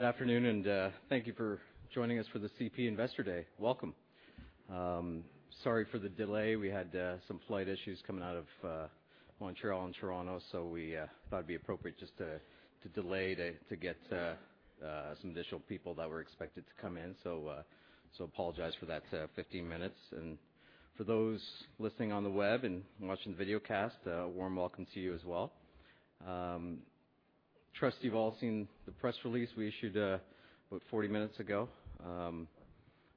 Good afternoon, and thank you for joining us for the CP Investor Day. Welcome. Sorry for the delay. We had some flight issues coming out of Montreal and Toronto, so we thought it'd be appropriate just to delay to get some additional people that were expected to come in. So, apologize for that, 15 minutes. And for those listening on the web and watching the videocast, a warm welcome to you as well. Trust you've all seen the press release we issued about 40 minutes ago.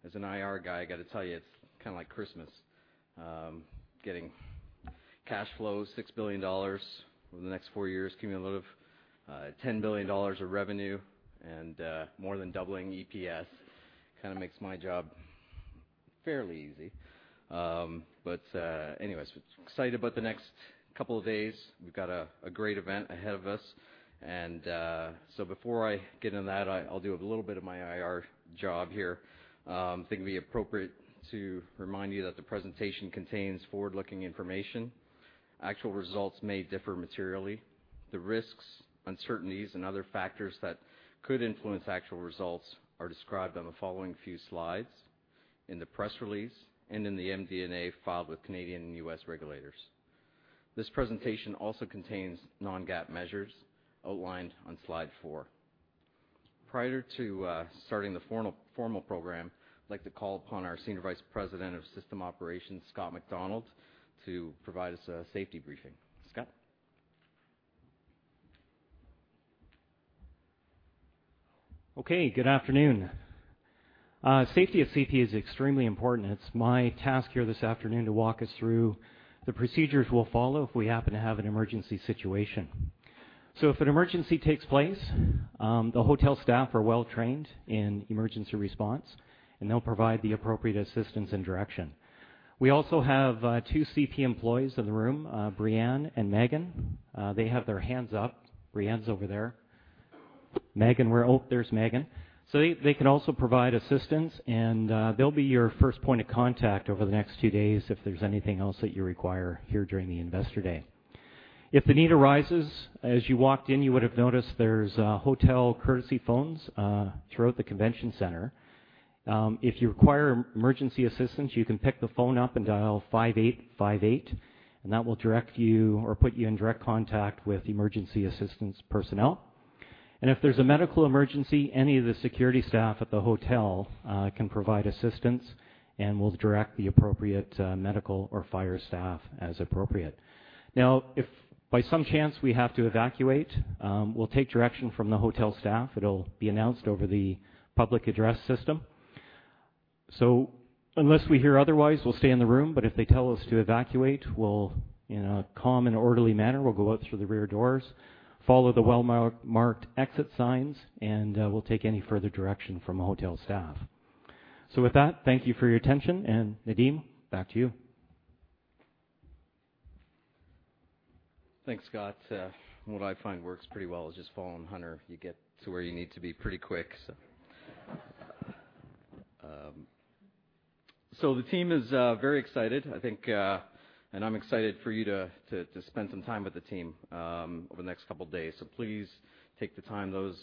As an IR guy, I gotta tell you, it's kinda like Christmas. Getting cash flows, $6 billion over the next four years, cumulative, $10 billion of revenue, and more than doubling EPS. Kinda makes my job fairly easy. But, anyways, excited about the next couple of days. We've got a great event ahead of us, and, so before I get into that, I'll do a little bit of my IR job here. I think it'd be appropriate to remind you that the presentation contains forward-looking information. Actual results may differ materially. The risks, uncertainties, and other factors that could influence actual results are described on the following few slides, in the press release, and in the MD&A filed with Canadian and U.S. regulators. This presentation also contains non-GAAP measures outlined on slide four. Prior to starting the formal program, I'd like to call upon our Senior Vice President of System Operations, Scott MacDonald, to provide us a safety briefing. Scott? Okay, good afternoon. Safety at CP is extremely important. It's my task here this afternoon to walk us through the procedures we'll follow if we happen to have an emergency situation. So if an emergency takes place, the hotel staff are well-trained in emergency response, and they'll provide the appropriate assistance and direction. We also have two CP employees in the room, Breanne and Maeghan. They have their hands up. Breanne is over there. Megan, where... Oh, there's Megan. So they can also provide assistance, and they'll be your first point of contact over the next two days if there's anything else that you require here during the Investor Day. If the need arises, as you walked in, you would have noticed there's hotel courtesy phones throughout the convention center. If you require emergency assistance, you can pick the phone up and dial 5858, and that will direct you or put you in direct contact with emergency assistance personnel. And if there's a medical emergency, any of the security staff at the hotel can provide assistance and will direct the appropriate medical or fire staff as appropriate. Now, if by some chance we have to evacuate, we'll take direction from the hotel staff. It'll be announced over the public address system. So unless we hear otherwise, we'll stay in the room, but if they tell us to evacuate, we'll, in a calm and orderly manner, we'll go out through the rear doors, follow the well-marked exit signs, and we'll take any further direction from the hotel staff. With that, thank you for your attention, and Nadeem, back to you. Thanks, Scott. What I find works pretty well is just following Hunter. You get to where you need to be pretty quick, so. So the team is very excited. I think and I'm excited for you to spend some time with the team over the next couple of days. So please take the time, those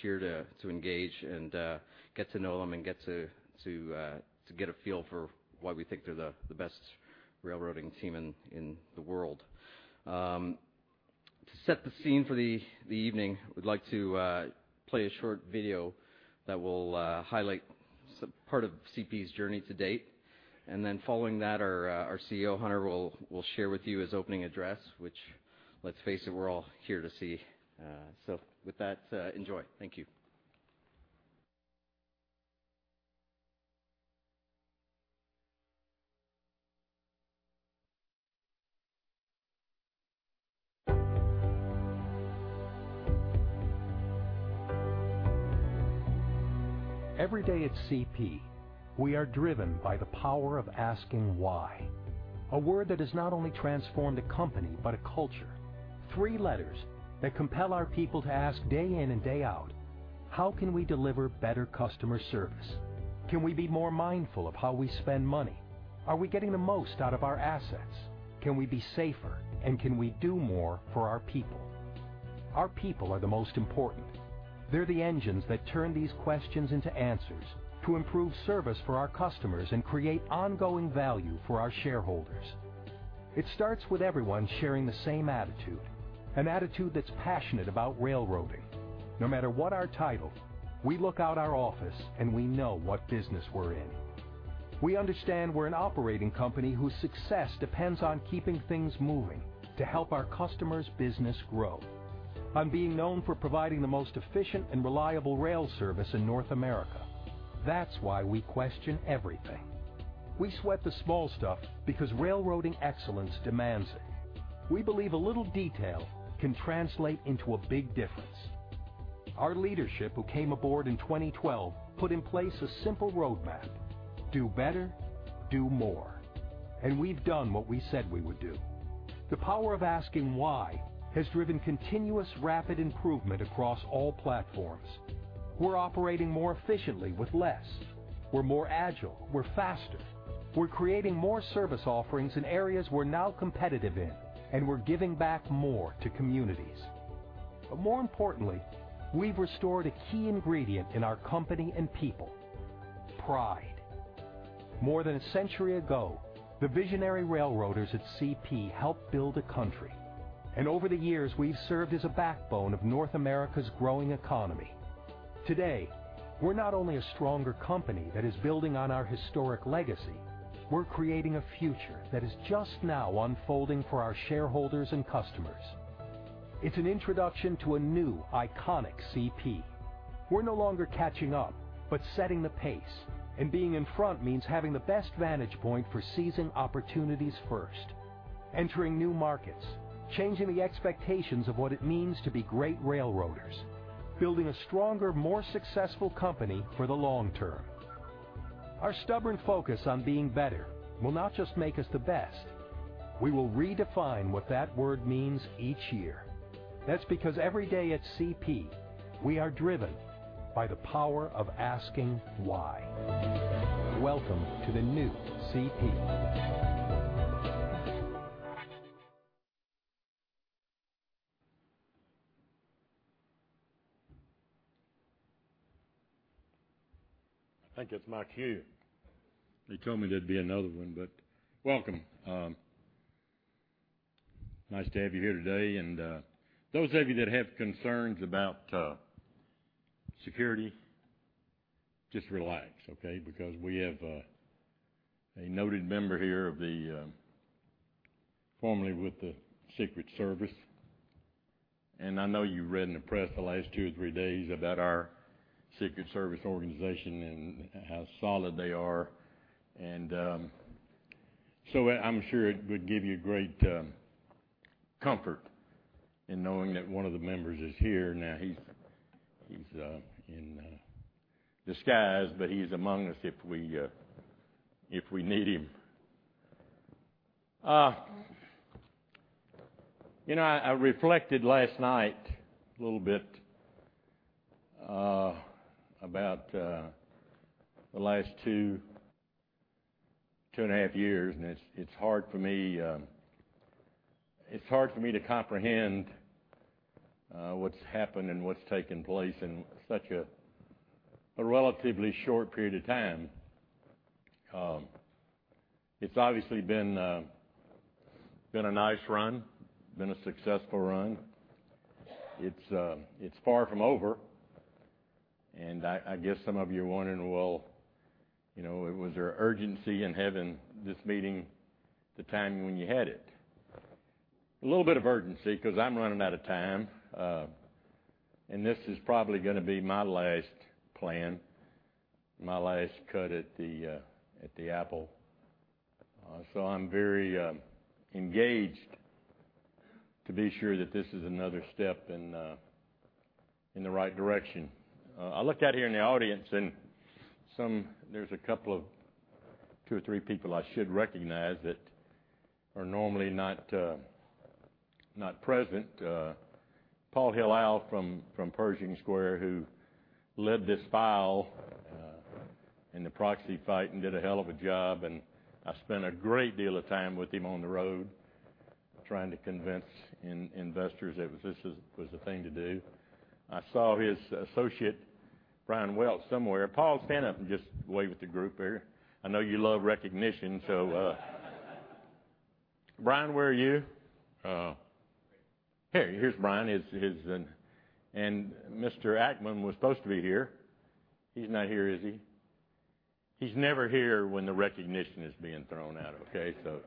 here, to engage and get to know them and get to get a feel for why we think they're the best railroading team in the world. To set the scene for the evening, we'd like to play a short video that will highlight some part of CP's journey to date. And then following that, our CEO, Hunter, will share with you his opening address, which, let's face it, we're all here to see. So with that, enjoy. Thank you. Every day at CP, we are driven by the power of asking why. A word that has not only transformed a company, but a culture. Three letters that compel our people to ask day in and day out: How can we deliver better customer service? Can we be more mindful of how we spend money? Are we getting the most out of our assets? Can we be safer, and can we do more for our people? Our people are the most important. They're the engines that turn these questions into answers, to improve service for our customers and create ongoing value for our shareholders. It starts with everyone sharing the same attitude, an attitude that's passionate about railroading. No matter what our title, we look out our office, and we know what business we're in. We understand we're an operating company whose success depends on keeping things moving to help our customers' business grow, on being known for providing the most efficient and reliable rail service in North America. That's why we question everything. We sweat the small stuff because railroading excellence demands it. We believe a little detail can translate into a big difference. Our leadership, who came aboard in 2012, put in place a simple roadmap: Do better, do more, and we've done what we said we would do. The power of asking why has driven continuous rapid improvement across all platforms. We're operating more efficiently with less. We're more agile, we're faster. We're creating more service offerings in areas we're now competitive in, and we're giving back more to communities. But more importantly, we've restored a key ingredient in our company and people: pride. More than a century ago, the visionary railroaders at CP helped build a country, and over the years, we've served as a backbone of North America's growing economy. Today, we're not only a stronger company that is building on our historic legacy, we're creating a future that is just now unfolding for our shareholders and customers. It's an introduction to a new, iconic CP. We're no longer catching up, but setting the pace. Being in front means having the best vantage point for seizing opportunities first, entering new markets, changing the expectations of what it means to be great railroaders, building a stronger, more successful company for the long term. Our stubborn focus on being better will not just make us the best, we will redefine what that word means each year. That's because every day at CP, we are driven by the power of asking, "Why?" Welcome to the new CP. I think it's my cue. They told me there'd be another one, but welcome. Nice to have you here today, and those of you that have concerns about security, just relax, okay? Because we have a noted member here of the formerly with the Secret Service. I know you've read in the press the last two or three days about our Secret Service organization and how solid they are. I'm sure it would give you great comfort in knowing that one of the members is here. Now, he's in disguise, but he's among us if we need him. You know, I reflected last night a little bit about the last tw0-two and half years, and it's hard for me, it's hard for me to comprehend what's happened and what's taken place in such a relatively short period of time. It's obviously been a nice run, been a successful run. It's far from over, and I guess some of you are wondering, well, you know, was there urgency in having this meeting, the time when you had it? A little bit of urgency, 'cause I'm running out of time, and this is probably gonna be my last plan, my last cut at the apple. So I'm very engaged to be sure that this is another step in the right direction. I looked out here in the audience and some, there's a couple of two or three people I should recognize that are normally not present. Paul Hilal from Pershing Square, who led this fight in the proxy fight and did a hell of a job, and I spent a great deal of time with him on the road, trying to convince investors that this was the thing to do. I saw his associate, Brian Welch, somewhere. Paul, stand up and just wave at the group here. I know you love recognition, so, Brian, where are you? Here, here's Brian. He's in... And Mr. Ackman was supposed to be here. He's not here, is he? He's never here when the recognition is being thrown out, okay? So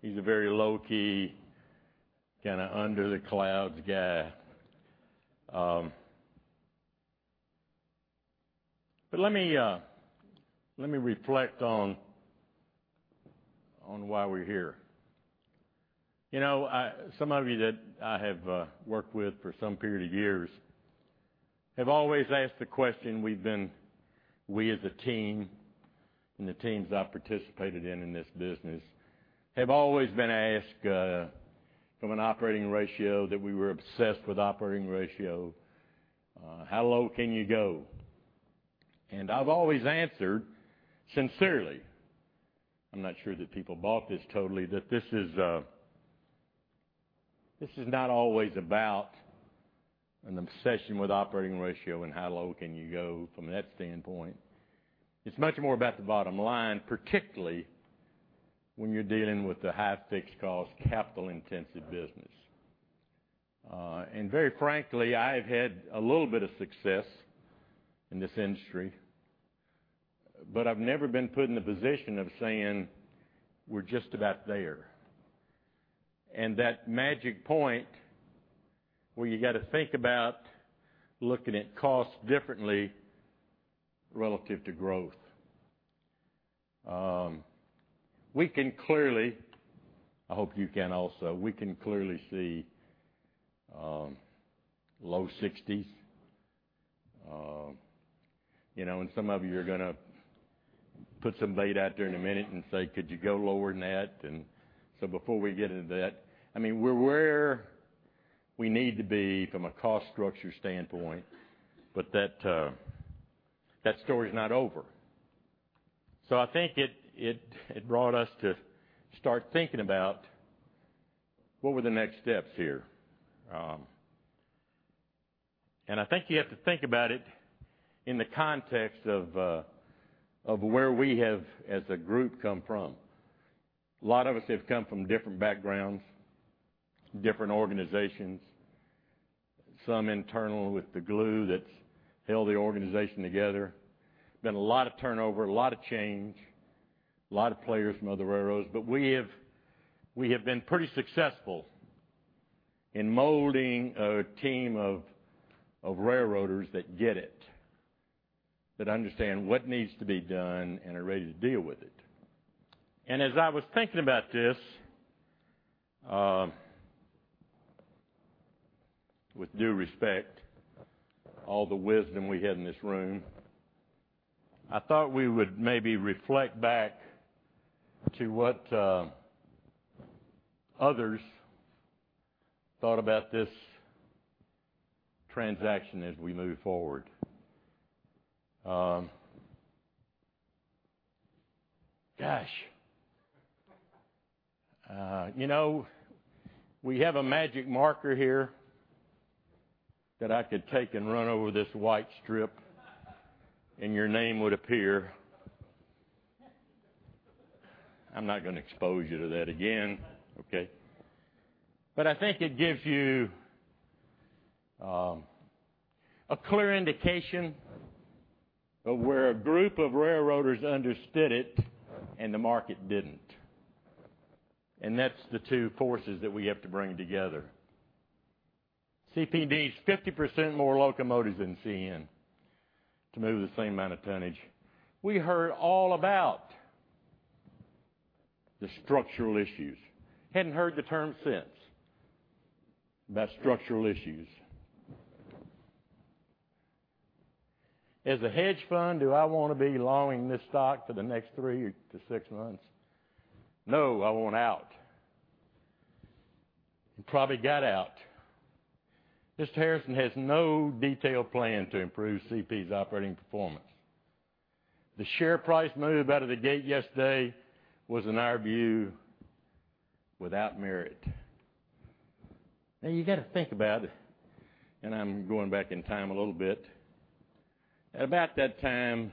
he's a very low-key, kinda under the radar guy. But let me, let me reflect on, on why we're here. You know, I—some of you that I have worked with for some period of years have always asked the question, we've been—we as a team and the teams I've participated in, in this business, have always been asked, from an operating ratio, that we were obsessed with operating ratio, "How low can you go?" And I've always answered, sincerely, I'm not sure that people bought this totally, that this is, this is not always about an obsession with operating ratio and how low can you go from that standpoint. It's much more about the bottom line, particularly when you're dealing with a high fixed cost, capital intensive business. and very frankly, I've had a little bit of success in this industry, but I've never been put in the position of saying, "We're just about there." And that magic point where you got to think about looking at costs differently relative to growth. We can clearly, I hope you can also, we can clearly see low 60s. You know, and some of you are gonna put some bait out there in a minute and say: Could you go lower than that? And so before we get into that, I mean, we're where we need to be from a cost structure standpoint, but that, that story is not over. So I think it brought us to start thinking about what were the next steps here? I think you have to think about it in the context of, of where we have as a group come from. A lot of us have come from different backgrounds, different organizations, some internal, with the glue that's held the organization together. Been a lot of turnover, a lot of change, a lot of players from other railroads. But we have, we have been pretty successful in molding a team of, of railroaders that get it, that understand what needs to be done and are ready to deal with it. And as I was thinking about this, with due respect, all the wisdom we have in this room, I thought we would maybe reflect back to what, others thought about this transaction as we move forward. Gosh! You know, we have a magic marker here that I could take and run over this white strip, and your name would appear. I'm not gonna expose you to that again, okay? But I think it gives you a clear indication of where a group of railroaders understood it and the market didn't. And that's the two forces that we have to bring together. CP needs 50% more locomotives than CN to move the same amount of tonnage. We heard all about the structural issues. Hadn't heard the term since, about structural issues. "As a hedge fund, do I want to be longing this stock for the next three-six months? No, I want out." And probably got out. "Mr. Harrison has no detailed plan to improve CP's operating performance. The share price move out of the gate yesterday was, in our view, without merit." Now you got to think about it, and I'm going back in time a little bit. At about that time,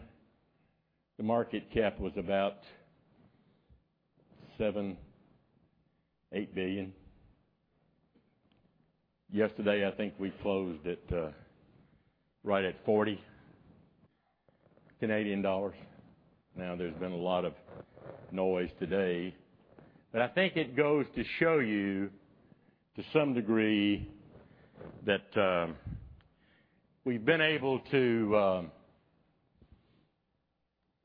the market cap was about CAD 7-8 billion. Yesterday, I think we closed at right at 40 Canadian dollars. Now, there's been a lot of noise today, but I think it goes to show you, to some degree, that we've been able to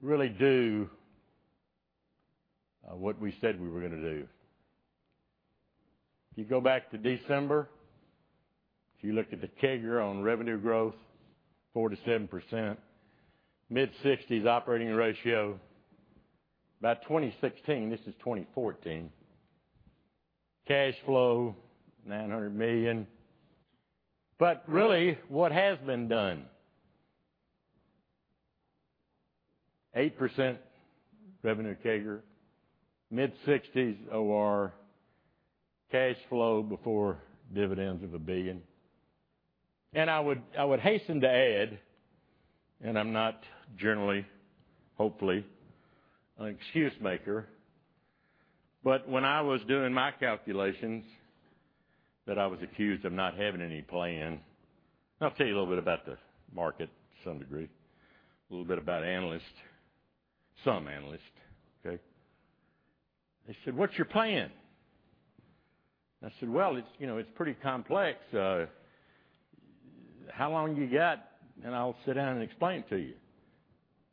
really do what we said we were gonna do. If you go back to December, if you look at the CAGR on revenue growth, 4%-7%, mid-60s operating ratio. About 2016, this is 2014, cash flow, 900 million. But really, what has been done? 8% revenue CAGR, mid-60s OR, cash flow before dividends of 1 billion. And I would, I would hasten to add, and I'm not generally, hopefully, an excuse maker, but when I was doing my calculations, that I was accused of not having any plan. I'll tell you a little bit about the market to some degree, a little bit about analysts, some analysts, okay? They said, "What's your plan?" I said, "Well, it's, you know, it's pretty complex. How long you got? And I'll sit down and explain it to you." "You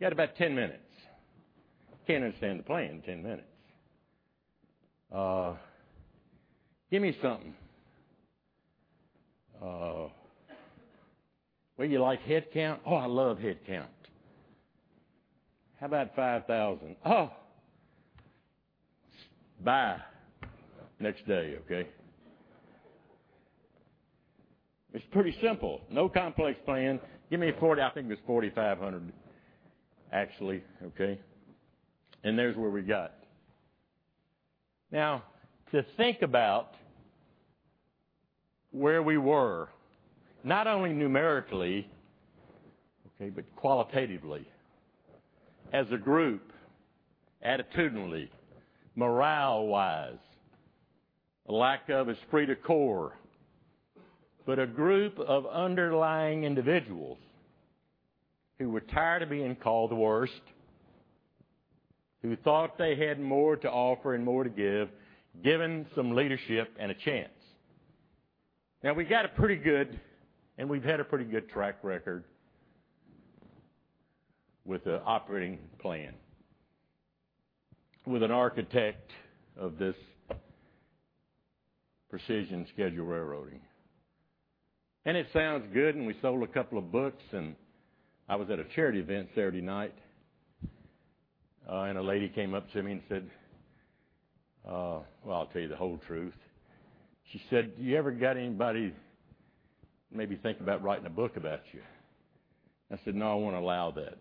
got about 10 minutes." "Can't understand the plan in 10 minutes." "Give me something." "Well, you like headcount?" "Oh, I love headcount." "How about 5,000?" "Oh, bye!" Next day, okay? It's pretty simple. No complex plan. Give me forty... I think it was 4,500, actually, okay? And there's where we got. Now, to think about where we were, not only numerically, okay, but qualitatively, as a group, attitudinally, morale-wise, a lack of esprit de corps, but a group of underlying individuals who were tired of being called the worst, who thought they had more to offer and more to give, given some leadership and a chance. Now, we got a pretty good, and we've had a pretty good track record with the operating plan, with an architect of this Precision Scheduled Railroading. And it sounds good, and we sold a couple of books, and I was at a charity event Saturday night.... and a lady came up to me and said, "Well, I'll tell you the whole truth." She said, "You ever got anybody maybe thinking about writing a book about you?" I said, "No, I wouldn't allow that."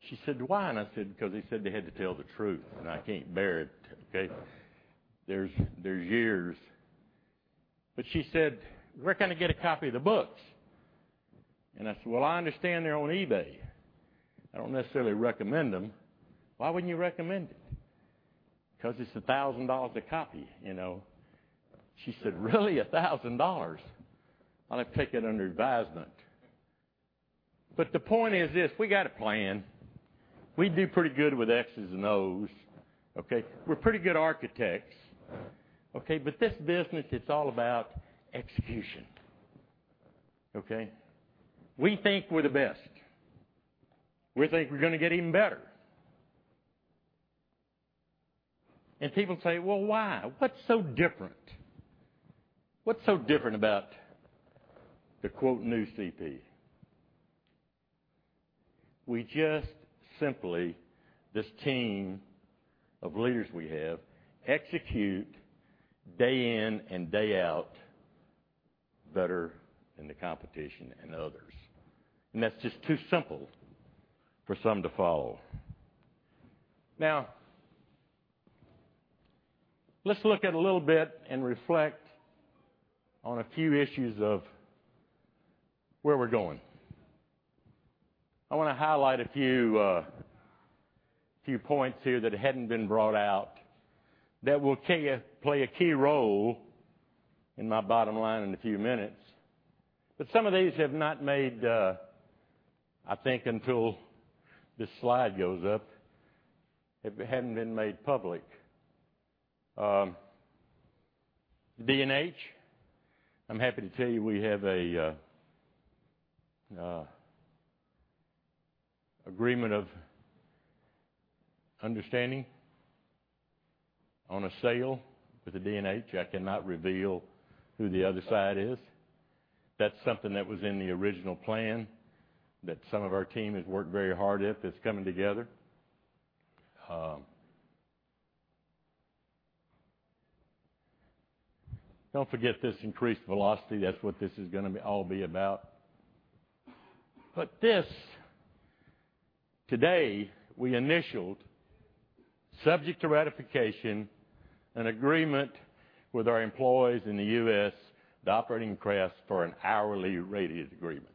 She said, "Why?" And I said, "Because they said they had to tell the truth, and I can't bear it," okay? There are years. But she said, "Where can I get a copy of the books?" And I said, "Well, I understand they're on eBay. I don't necessarily recommend them." "Why wouldn't you recommend it?" "Because it's $1,000 a copy, you know?" She said, "Really, $1,000? I'll take it under advisement." But the point is this: we got a plan. We do pretty good with X's and O's, okay? We're pretty good architects. Okay, but this business, it's all about execution, okay? We think we're the best. We think we're gonna get even better. People say, "Well, why? What's so different? What's so different about the, quote, new CP?" We just simply, this team of leaders we have, execute day in and day out, better than the competition and others, and that's just too simple for some to follow. Now, let's look at a little bit and reflect on a few issues of where we're going. I wanna highlight a few points here that hadn't been brought out, that will play a key role in my bottom line in a few minutes. But some of these have not made, I think until this slide goes up, it hadn't been made public. D&H, I'm happy to tell you we have a agreement of understanding on a sale with the D&H. I cannot reveal who the other side is. That's something that was in the original plan that some of our team has worked very hard at, that's coming together. Don't forget this increased velocity. That's what this is gonna be all be about. But this, today, we initialed, subject to ratification, an agreement with our employees in the U.S., the operating crafts, for an hourly rated agreement.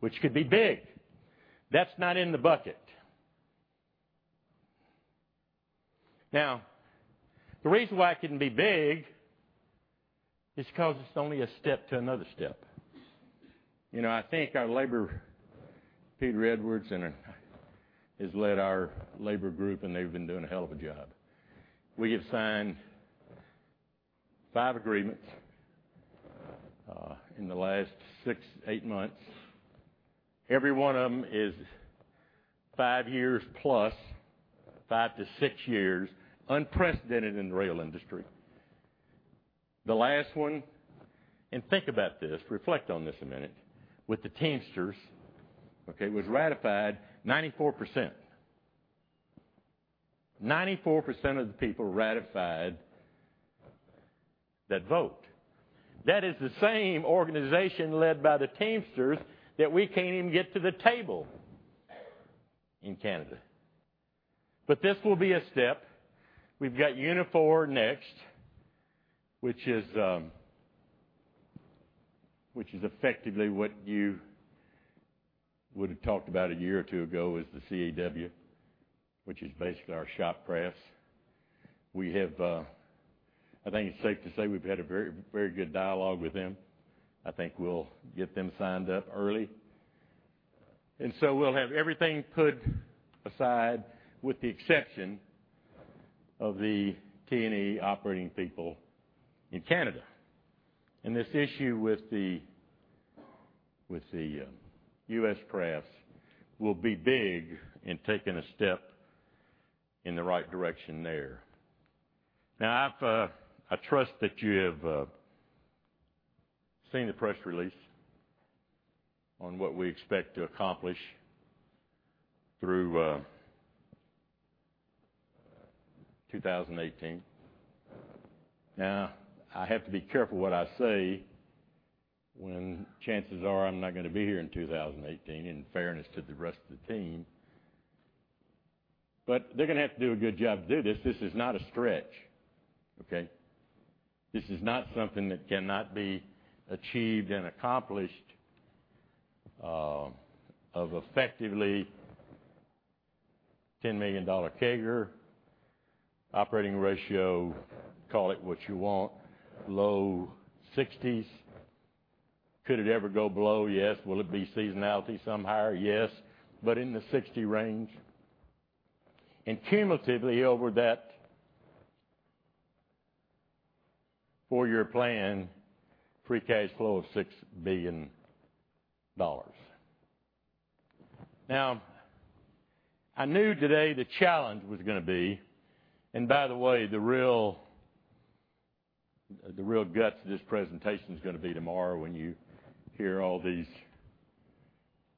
Which could be big! That's not in the bucket. Now, the reason why it couldn't be big is because it's only a step to another step. You know, I think our labor, Peter Edwards, and has led our labor group, and they've been doing a hell of a job. We have signed five agreements in the last six-eight months. Every one of them is five years plus, five-six years, unprecedented in the rail industry. The last one, and think about this, reflect on this a minute, with the Teamsters, okay, was ratified 94%. Ninety-four percent of the people ratified that vote. That is the same organization led by the Teamsters, that we can't even get to the table in Canada. But this will be a step. We've got Unifor next, which is, which is effectively what you would have talked about a year or two ago as the CAW, which is basically our shop crafts. We have, I think it's safe to say we've had a very, very good dialogue with them. I think we'll get them signed up early. And so we'll have everything put aside, with the exception of the T&E operating people in Canada. And this issue with the, with the, U.S. crafts will be big in taking a step in the right direction there. Now, I trust that you have seen the press release on what we expect to accomplish through 2018. Now, I have to be careful what I say, when chances are I'm not gonna be here in 2018, in fairness to the rest of the team. But they're gonna have to do a good job to do this. This is not a stretch, okay? This is not something that cannot be achieved and accomplished, of effectively $10 million CAGR. Operating ratio, call it what you want, low 60s. Could it ever go below? Yes. Will it be seasonality some higher? Yes, but in the 60 range. And cumulatively over that four-year plan, free cash flow of $6 billion. Now, I knew today the challenge was gonna be, and by the way, the real-... The real guts of this presentation is going to be tomorrow when you hear all these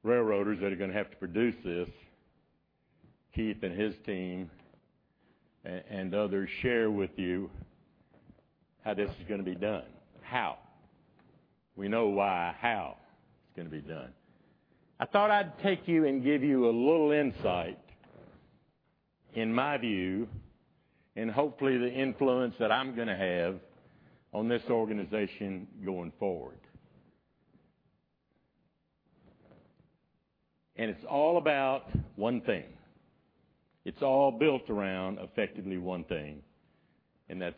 railroaders that are going to have to produce this, Keith and his team, and others share with you how this is going to be done. How? We know why, how it's going to be done. I thought I'd take you and give you a little insight in my view, and hopefully, the influence that I'm going to have on this organization going forward. And it's all about one thing. It's all built around effectively one thing, and that's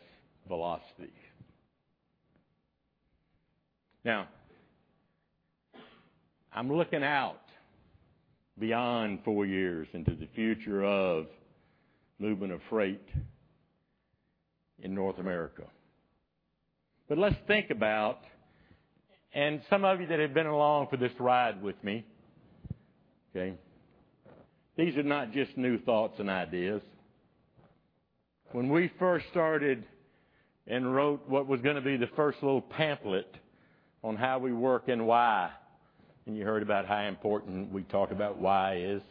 velocity. Now, I'm looking out beyond four years into the future of movement of freight in North America. But let's think about, and some of you that have been along for this ride with me, okay? These are not just new thoughts and ideas. When we first started and wrote what was going to be the first little pamphlet on how we work and why, and you heard about how important we talk about why is.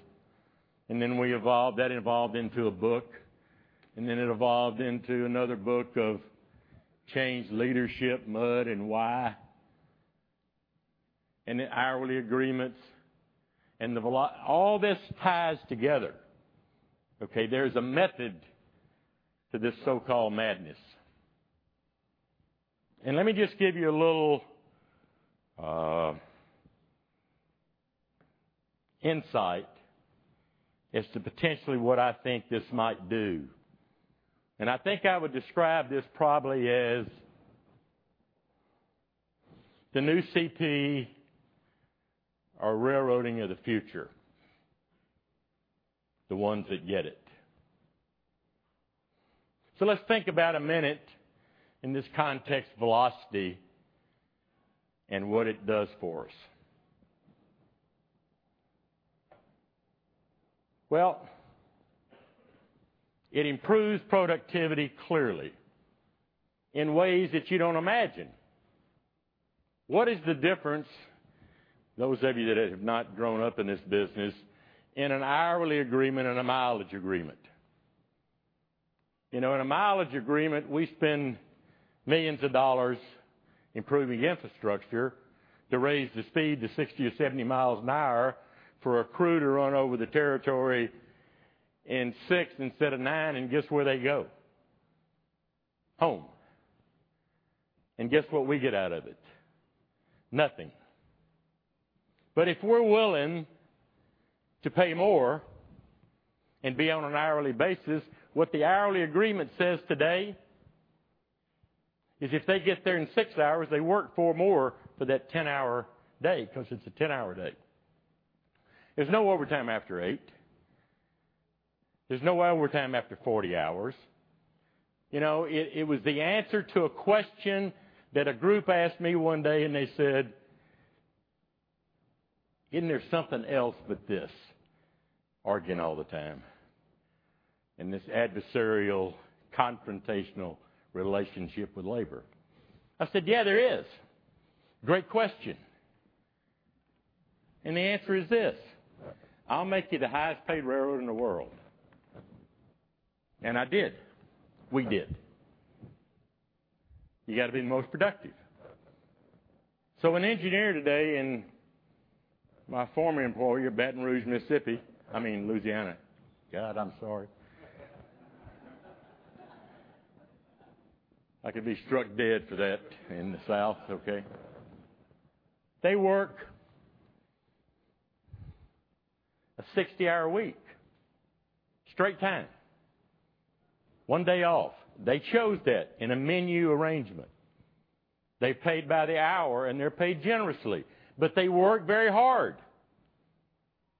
Then we evolved, that involved into a book, and then it evolved into another book of change, leadership, mud, and why, and the hourly agreements and the velocity. All this ties together, okay? There's a method to this so-called madness. Let me just give you a little insight as to potentially what I think this might do. I think I would describe this probably as the new CP or railroading of the future, the ones that get it. So let's think about a minute in this context, velocity, and what it does for us. Well, it improves productivity clearly, in ways that you don't imagine. What is the difference, those of you that have not grown up in this business, in an hourly agreement and a mileage agreement? You know, in a mileage agreement, we spend millions dollars improving infrastructure to raise the speed to 60 or 70 miles an hour for a crew to run over the territory in six instead of nine, and guess where they go? Home. And guess what we get out of it? Nothing. But if we're willing to pay more and be on an hourly basis, what the hourly agreement says today, is if they get there in six hours, they work four more for that 10-hour day, because it's a 10-hour day. There's no overtime after eight. There's no overtime after 40 hours. You know, it was the answer to a question that a group asked me one day, and they said, "Isn't there something else but this, arguing all the time and this adversarial, confrontational relationship with labor?" I said, "Yeah, there is. Great question." And the answer is this: I'll make you the highest-paid railroad in the world. And I did. We did. You got to be the most productive. So an engineer today in my former employer, Baton Rouge, Mississippi, I mean Louisiana. God, I'm sorry. I could be struck dead for that in the South, okay. They work a 60-hour week, straight time, one day off. They chose that in a menu arrangement. They're paid by the hour, and they're paid generously, but they work very hard.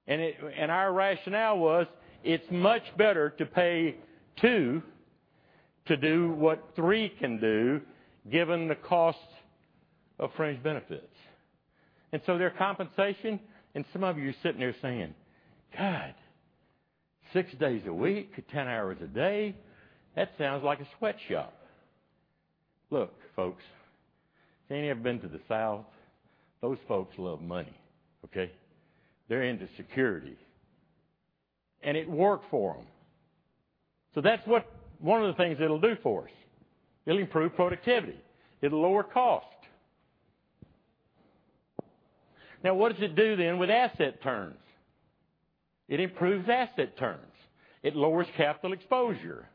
Our rationale was, it's much better to pay two to do what three can do, given the cost of fringe benefits. Their compensation, and some of you are sitting there saying, "God, six days a week, 10 hours a day, that sounds like a sweatshop." Look, folks, any of you have been to the South, those folks love money, okay? They're into security, and it worked for them. That's one of the things it'll do for us. It'll improve productivity. It'll lower cost. Now, what does it do then with asset turns? It improves asset turns. It lowers capital exposure.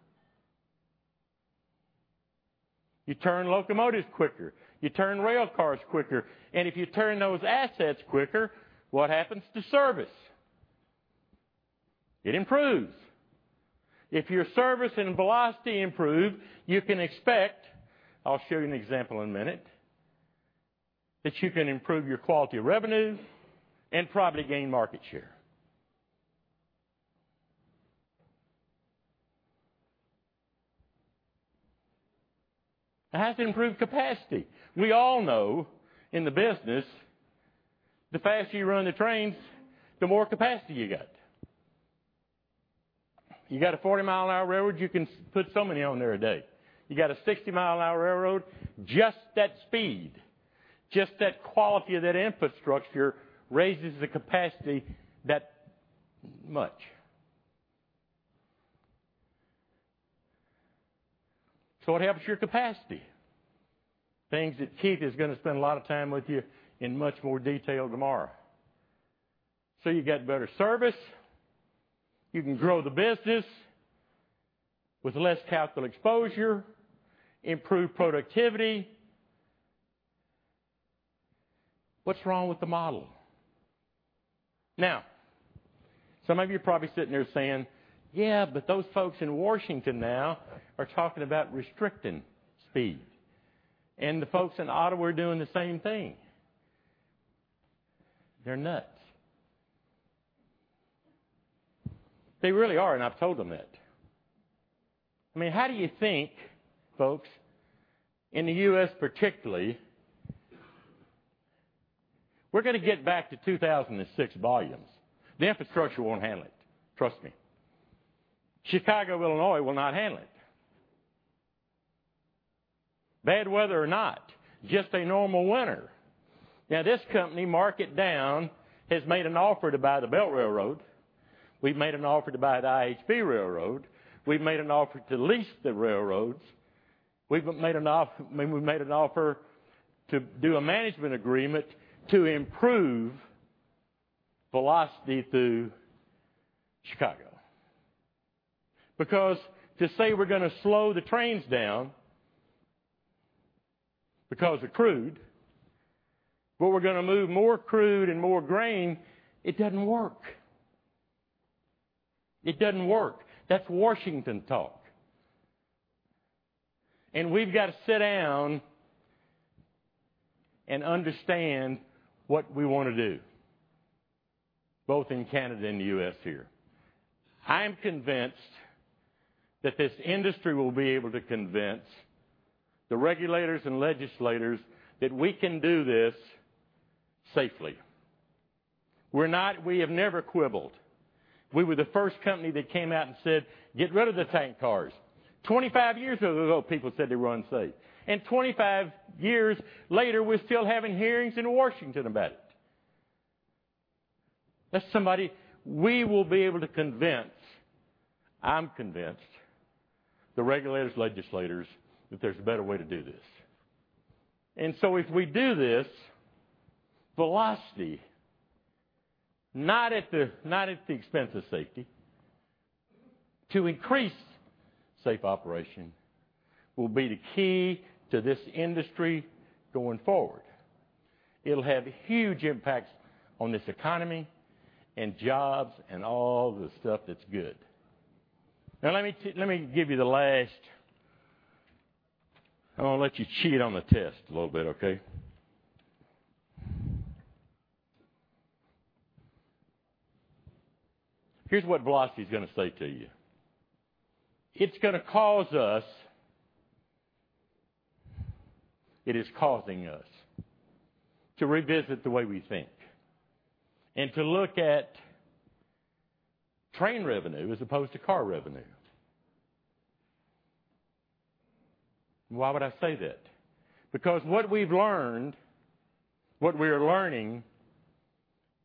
You turn locomotives quicker, you turn rail cars quicker, and if you turn those assets quicker, what happens to service? It improves. If your service and velocity improve, you can expect, I'll show you an example in a minute, that you can improve your quality of revenue and probably gain market share. It has to improve capacity. We all know in the business, the faster you run the trains, the more capacity you got. You got a 40-mile-an-hour railroad, you can put so many on there a day. You got a 60-mile-an-hour railroad, just that speed, just that quality of that infrastructure raises the capacity that much. So it helps your capacity, things that Keith is going to spend a lot of time with you in much more detail tomorrow. So you've got better service. You can grow the business with less capital exposure, improve productivity. What's wrong with the model? Now, some of you are probably sitting there saying, "Yeah, but those folks in Washington now are talking about restricting speed, and the folks in Ottawa are doing the same thing." They're nuts. They really are, and I've told them that. I mean, how do you think, folks, in the U.S. particularly, we're going to get back to 2006 volumes? The infrastructure won't handle it, trust me. Chicago, Illinois, will not handle it. Bad weather or not, just a normal winter. Now, this company, mark it down, has made an offer to buy the Belt Railroad. We've made an offer to buy the IHB Railroad. We've made an offer to lease the railroads. I mean, we've made an offer to do a management agreement to improve velocity through Chicago. Because to say we're going to slow the trains down because of crude, but we're going to move more crude and more grain, it doesn't work. It doesn't work. That's Washington talk. And we've got to sit down and understand what we want to do, both in Canada and the U.S. here. I'm convinced that this industry will be able to convince the regulators and legislators that we can do this safely. We're not, we have never quibbled. We were the first company that came out and said, "Get rid of the tank cars." 25 years ago, people said they were unsafe, and 25 years later, we're still having hearings in Washington about it. That's somebody we will be able to convince, I'm convinced, the regulators, legislators, that there's a better way to do this. And so if we do this, velocity, not at the expense of safety, to increase safe operation, will be the key to this industry going forward. It'll have huge impacts on this economy and jobs and all the stuff that's good. Now, let me give you the last... I'm going to let you cheat on the test a little bit, okay? Here's what velocity is going to say to you: It's going to cause us, it is causing us to revisit the way we think and to look at train revenue as opposed to car revenue. Why would I say that? Because what we've learned, what we are learning,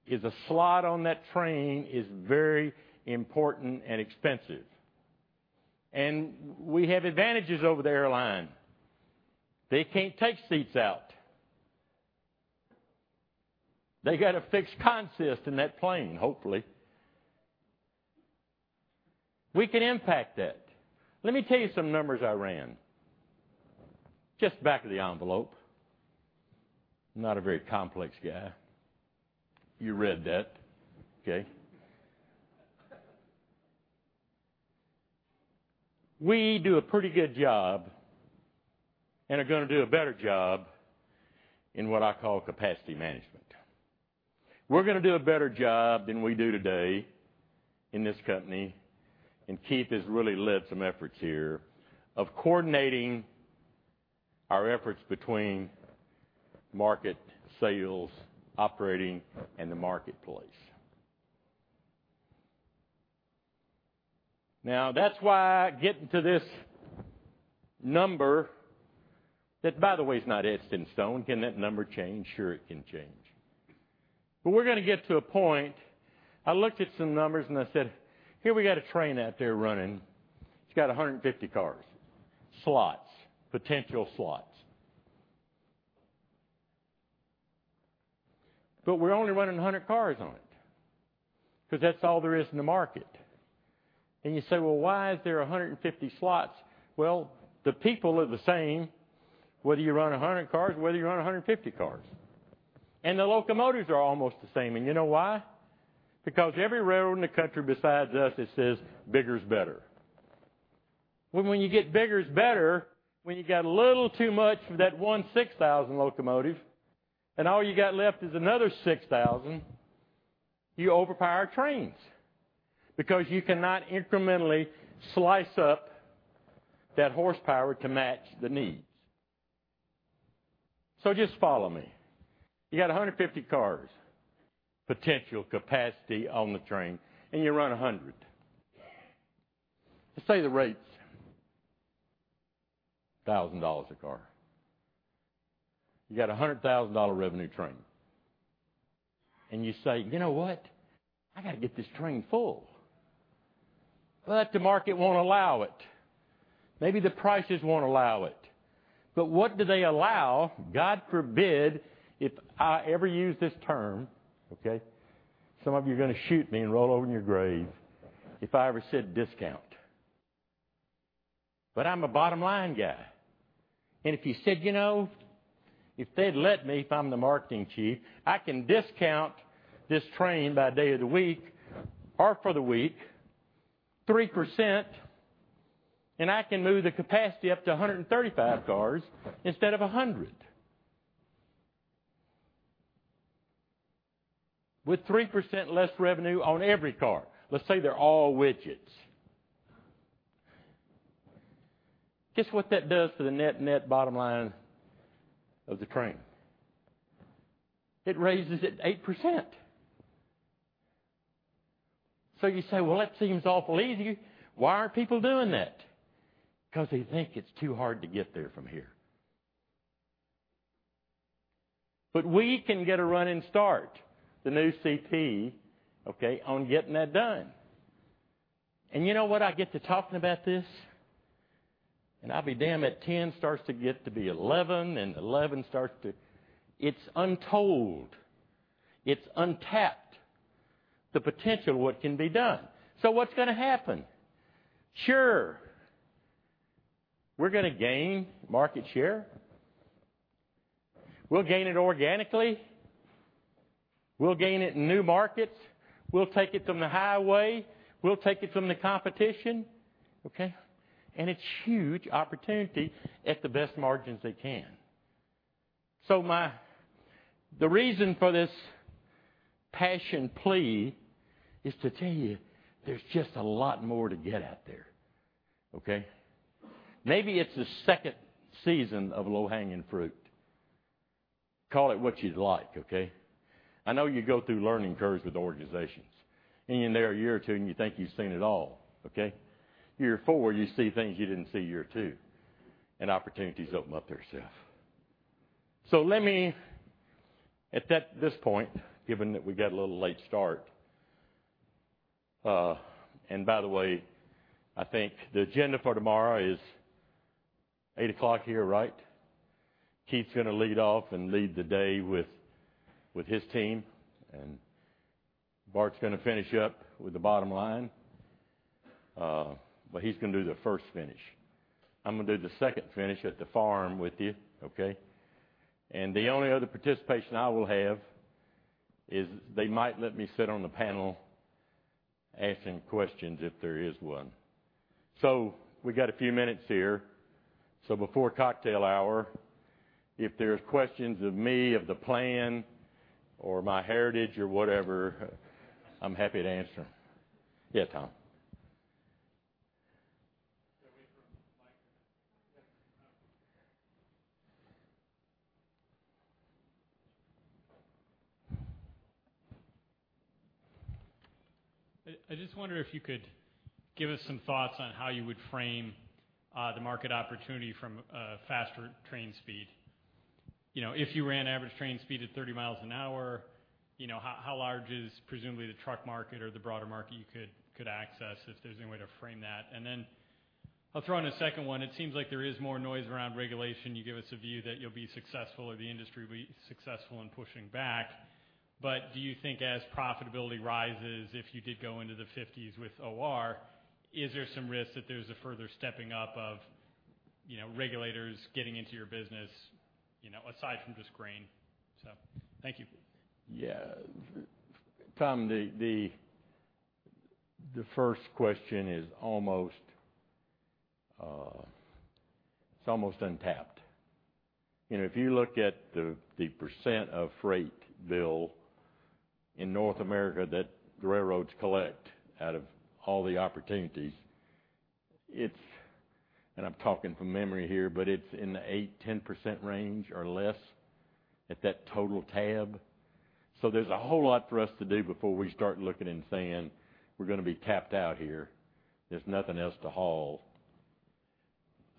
is a slot on that train is very important and expensive. And we have advantages over the airline. They can't take seats out. They got a fixed consist in that plane, hopefully. We can impact that. Let me tell you some numbers I ran, just back of the envelope. I'm not a very complex guy. You read that, okay? We do a pretty good job, and are going to do a better job, in what I call capacity management. We're going to do a better job than we do today in this company, and Keith has really led some efforts here of coordinating our efforts between market sales, operating, and the marketplace. Now, that's why getting to this number, that, by the way, is not etched in stone. Can that number change? Sure, it can change. But we're going to get to a point... I looked at some numbers and I said, "Here, we got a train out there running. It's got 150 cars, slots, potential slots. But we're only running 100 cars on it, because that's all there is in the market." And you say, "Well, why is there 150 slots?" Well, the people are the same, whether you run 100 cars or whether you run 150 cars. And the locomotives are almost the same, and you know why? Because every railroad in the country besides us, it says, bigger is better. Well, when you get bigger is better, when you got a little too much of that 16,000 locomotive, and all you got left is another 6,000, you overpower trains because you cannot incrementally slice up that horsepower to match the needs... So just follow me. You got 150 cars, potential capacity on the train, and you run 100. Let's say the rate's $1,000 a car. You got a $100,000 revenue train. And you say: "You know what? I gotta get this train full." But the market won't allow it. Maybe the prices won't allow it, but what do they allow? God forbid, if I ever use this term, okay, some of you are gonna shoot me and roll over in your grave, if I ever said discount. But I'm a bottom-line guy, and if you said, "You know, if they'd let me, if I'm the marketing chief, I can discount this train by day of the week or for the week, 3%, and I can move the capacity up to 135 cars instead of 100." With 3% less revenue on every car. Let's say they're all widgets. Guess what that does to the net-net bottom line of the train? It raises it 8%. So you say, "Well, that seems awfully easy. Why aren't people doing that?" Because they think it's too hard to get there from here. But we can get a running start, the new CP, okay, on getting that done. And you know what? I get to talking about this, and I'll be damn, at 10, starts to get to be 11, and 11 starts to... It's untold. It's untapped, the potential of what can be done. So what's gonna happen? Sure, we're gonna gain market share. We'll gain it organically, we'll gain it in new markets, we'll take it from the highway, we'll take it from the competition, okay? And it's huge opportunity at the best margins they can. So my-- the reason for this passion plea is to tell you, there's just a lot more to get out there, okay? Maybe it's the second season of low-hanging fruit. Call it what you'd like, okay? I know you go through learning curves with organizations, and in there a year or two, and you think you've seen it all, okay? Year four, you see things you didn't see year two, and opportunities open up themselves. So let me, at this point, given that we got a little late start, and by the way, I think the agenda for tomorrow is 8:00 A.M. here, right? Keith's gonna lead off and lead the day with his team, and Bart's gonna finish up with the bottom line. But he's gonna do the first finish. I'm gonna do the second finish at the farm with you, okay? And the only other participation I will have is they might let me sit on the panel asking questions, if there is one. So we got a few minutes here. So before cocktail hour, if there's questions of me, of the plan or my heritage or whatever, I'm happy to answer them. Yes, Tom? Should I wait for a mic? I just wonder if you could give us some thoughts on how you would frame the market opportunity from a faster train speed. You know, if you ran average train speed at 30 miles an hour, you know, how large is presumably the truck market or the broader market you could access, if there's any way to frame that? And then I'll throw in a second one. It seems like there is more noise around regulation. You give us a view that you'll be successful or the industry will be successful in pushing back. But do you think as profitability rises, if you did go into the fifties with OR, is there some risk that there's a further stepping up of, you know, regulators getting into your business, you know, aside from just grain? So thank you. Yeah. Tom, the first question is almost, it's almost untapped. You know, if you look at the percent of freight bill in North America that the railroads collect out of all the opportunities, it's—and I'm talking from memory here, but it's in the 8%-10% range or less, at that total tab. So there's a whole lot for us to do before we start looking and saying, "We're gonna be tapped out here. There's nothing else to haul."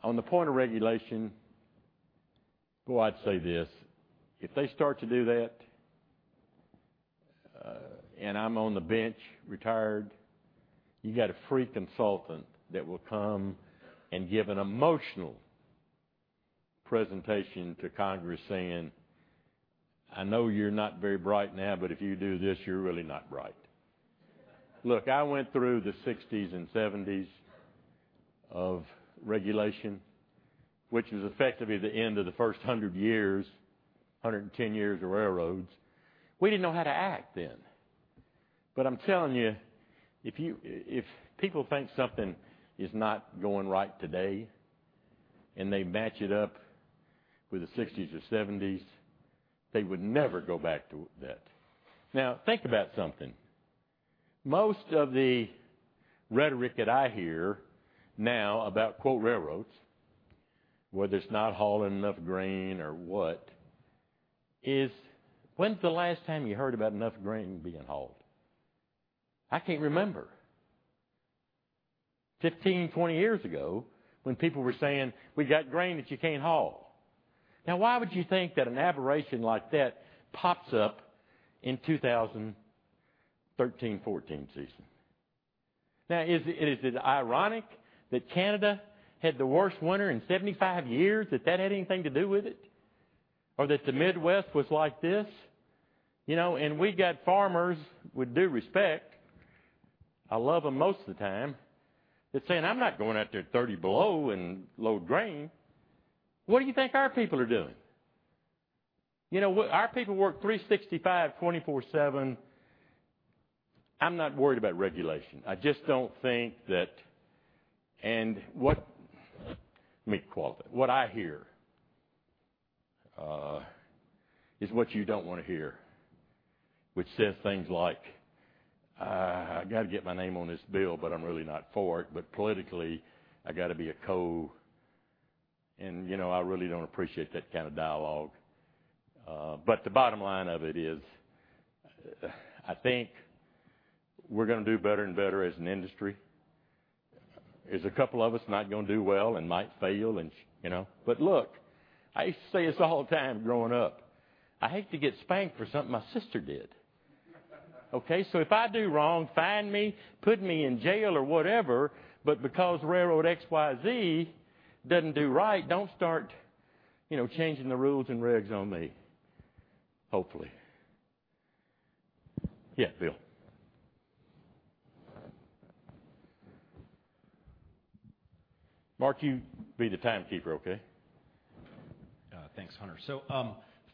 On the point of regulation, well, I'd say this: if they start to do that, and I'm on the bench, retired, you got a free consultant that will come and give an emotional presentation to Congress saying, "I know you're not very bright now, but if you do this, you're really not bright." Look, I went through the sixties and seventies of regulation, which is effectively the end of the first 100 years, 110 years of railroads. We didn't know how to act then. But I'm telling you, if people think something is not going right today and they match it up with the sixties or seventies, they would never go back to that. Now, think about something.... Most of the rhetoric that I hear now about, quote, "railroads," whether it's not hauling enough grain or what, is when's the last time you heard about enough grain being hauled? I can't remember. 15, 20 years ago, when people were saying, "We've got grain that you can't haul." Now, why would you think that an aberration like that pops up in 2013-14 season? Now, is it, is it ironic that Canada had the worst winter in 75 years, that, that had anything to do with it? Or that the Midwest was like this? You know, and we got farmers, with due respect, I love them most of the time, they're saying, "I'm not going out there 30 below and load grain." What do you think our people are doing? You know, our people work 365, 24/7. I'm not worried about regulation. I just don't think that. Let me qualify. What I hear is what you don't want to hear, which says things like, "I got to get my name on this bill, but I'm really not for it, but politically, I got to be a co..." And, you know, I really don't appreciate that kind of dialogue. But the bottom line of it is, I think we're gonna do better and better as an industry. There's a couple of us not gonna do well and might fail and, you know. But look, I used to say this all the time growing up, I hate to get spanked for something my sister did. Okay, so if I do wrong, fine me, put me in jail or whatever, but because railroad XYZ doesn't do right, don't start, you know, changing the rules and regs on me, hopefully. Yeah, Bill. Mark, you be the timekeeper, okay? Thanks, Hunter. So,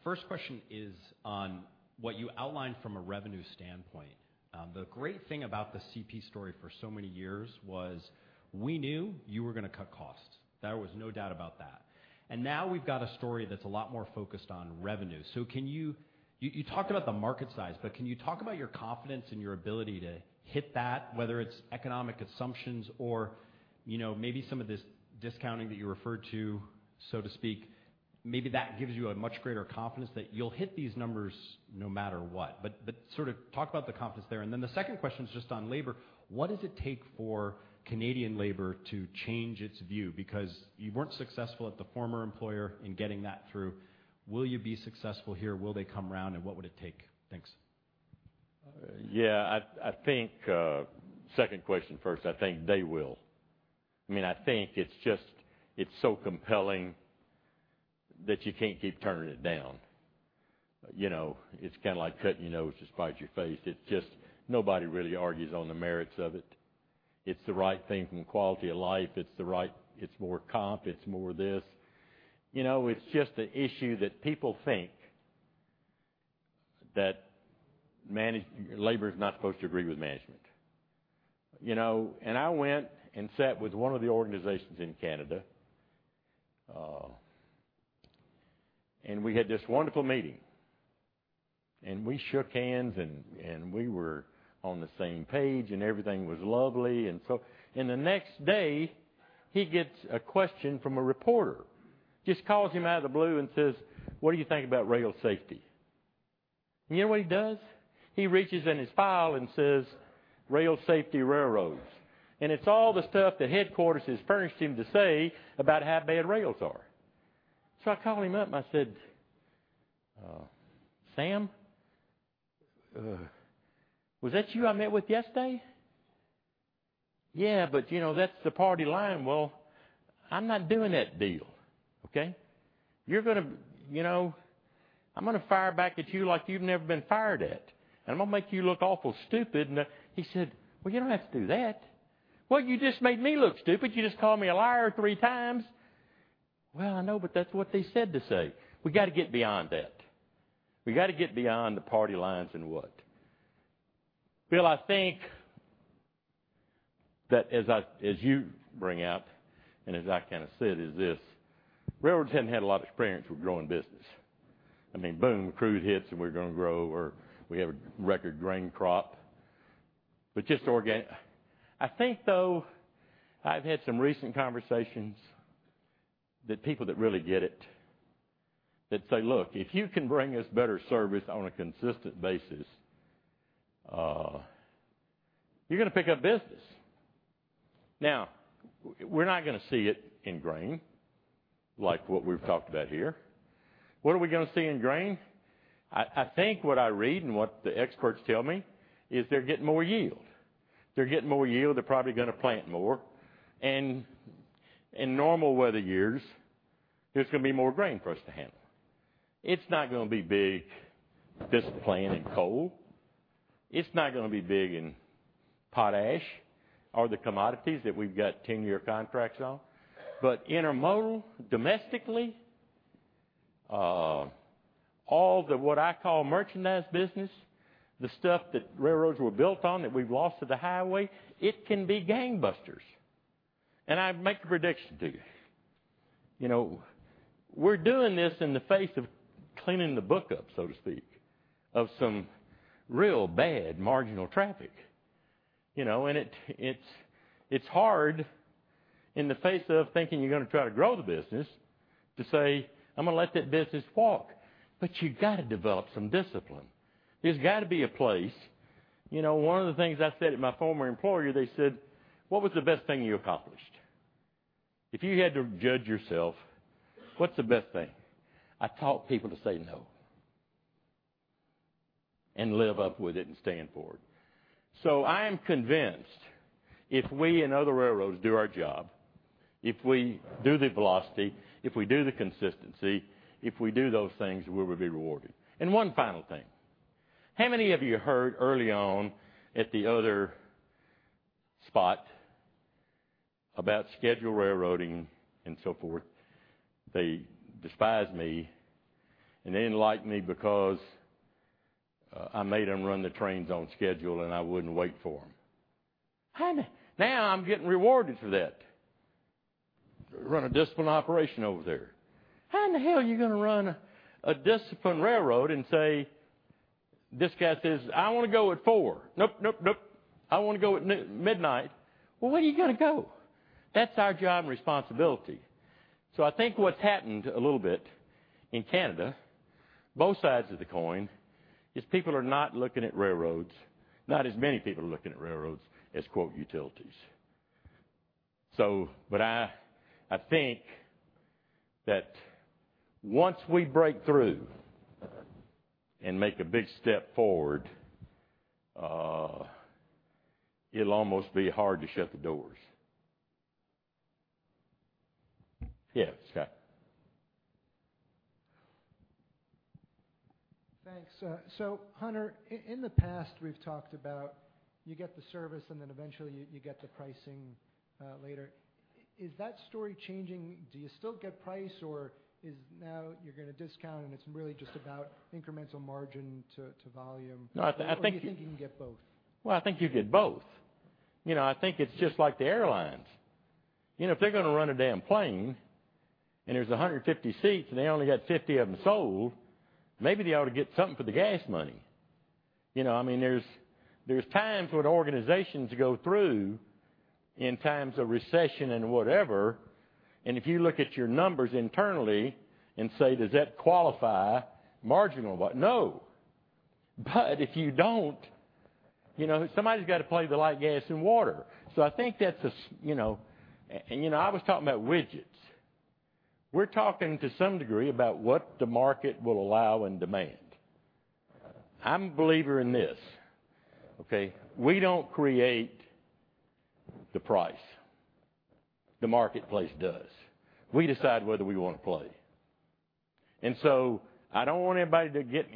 first question is on what you outlined from a revenue standpoint. The great thing about the CP story for so many years was we knew you were going to cut costs. There was no doubt about that. And now we've got a story that's a lot more focused on revenue. So can you—you talked about the market size, but can you talk about your confidence in your ability to hit that, whether it's economic assumptions or, you know, maybe some of this discounting that you referred to, so to speak, maybe that gives you a much greater confidence that you'll hit these numbers no matter what. But sort of talk about the confidence there. And then the second question is just on labor. What does it take for Canadian labor to change its view? Because you weren't successful at the former employer in getting that through. Will you be successful here? Will they come around, and what would it take? Thanks. Yeah, I think, second question first, I think they will. I mean, I think it's just, it's so compelling that you can't keep turning it down. You know, it's kind of like cutting your nose to spite your face. It's just nobody really argues on the merits of it. It's the right thing from quality of life. It's the right, it's more comp, it's more this. You know, it's just an issue that people think that labor is not supposed to agree with management. You know, and I went and sat with one of the organizations in Canada, and we had this wonderful meeting, and we shook hands, and we were on the same page, and everything was lovely, and so... And the next day, he gets a question from a reporter, just calls him out of the blue and says, "What do you think about rail safety?" You know what he does? He reaches in his file and says, "Rail safety, railroads." And it's all the stuff that headquarters has furnished him to say about how bad rails are. So I called him up, and I said, "Sam, was that you I met with yesterday?" "Yeah, but, you know, that's the party line." "Well, I'm not doing that deal, okay? You're gonna, you know, I'm gonna fire back at you like you've never been fired at, and I'm gonna make you look awful stupid." And he said, "Well, you don't have to do that." "Well, you just made me look stupid. You just called me a liar three times." "Well, I know, but that's what they said to say." We got to get beyond that. We got to get beyond the party lines and what? Bill, I think that as you bring out and as I kind of said, is this: railroads haven't had a lot of experience with growing business. I mean, boom, crude hits, and we're gonna grow, or we have a record grain crop. But I think, though, I've had some recent conversations that people that really get it, that say, "Look, if you can bring us better service on a consistent basis, you're gonna pick up business." Now, we're not gonna see it in grain, like what we've talked about here. What are we gonna see in grain? I think what I read and what the experts tell me is they're getting more yield. They're getting more yield, they're probably gonna plant more. And in normal weather years, there's gonna be more grain for us to handle. It's not gonna be big just planting coal. It's not gonna be big in potash or the commodities that we've got ten-year contracts on, but intermodal, domestically, all the, what I call, merchandise business, the stuff that railroads were built on, that we've lost to the highway, it can be gangbusters. And I'd make a prediction to you... You know, we're doing this in the face of cleaning the book up, so to speak, of some real bad marginal traffic. You know, it's hard in the face of thinking you're gonna try to grow the business, to say, "I'm gonna let that business walk." But you gotta develop some discipline. There's got to be a place. You know, one of the things I said at my former employer, they said: "What was the best thing you accomplished? If you had to judge yourself, what's the best thing?" I taught people to say no, and live up with it and stand for it. So I am convinced if we and other railroads do our job, if we do the velocity, if we do the consistency, if we do those things, we will be rewarded. One final thing. How many of you heard early on at the other spot about schedule railroading and so forth? They despised me, and they didn't like me because I made them run the trains on schedule, and I wouldn't wait for them. How in the-- Now I'm getting rewarded for that. Run a disciplined operation over there. How in the hell are you gonna run a disciplined railroad and say, this guy says, "I want to go at four." "Nope, nope, nope." "I want to go at midnight." Well, when are you gonna go? That's our job responsibility. So I think what's happened a little bit in Canada, both sides of the coin, is people are not looking at railroads, not as many people are looking at railroads as, quote, utilities. So but I, I think that once we break through and make a big step forward, it'll almost be hard to shut the doors. Yes, Scott? Thanks. So Hunter, in the past, we've talked about you get the service and then eventually you, you get the pricing, later. Is that story changing? Do you still get price or is now you're gonna discount and it's really just about incremental margin to, to volume? No, I think- Or do you think you can get both? Well, I think you get both. You know, I think it's just like the airlines. You know, if they're gonna run a damn plane, and there's 150 seats, and they only got 50 of them sold, maybe they ought to get something for the gas money. You know, I mean, there's times when organizations go through in times of recession and whatever, and if you look at your numbers internally and say: Does that qualify marginal? But no. But if you don't, you know, somebody's got to pay the light, gas, and water. So I think that's... you know. You know, I was talking about widgets. We're talking to some degree about what the market will allow and demand. I'm a believer in this, okay? We don't create the price, the marketplace does. We decide whether we want to play. And so I don't want anybody to get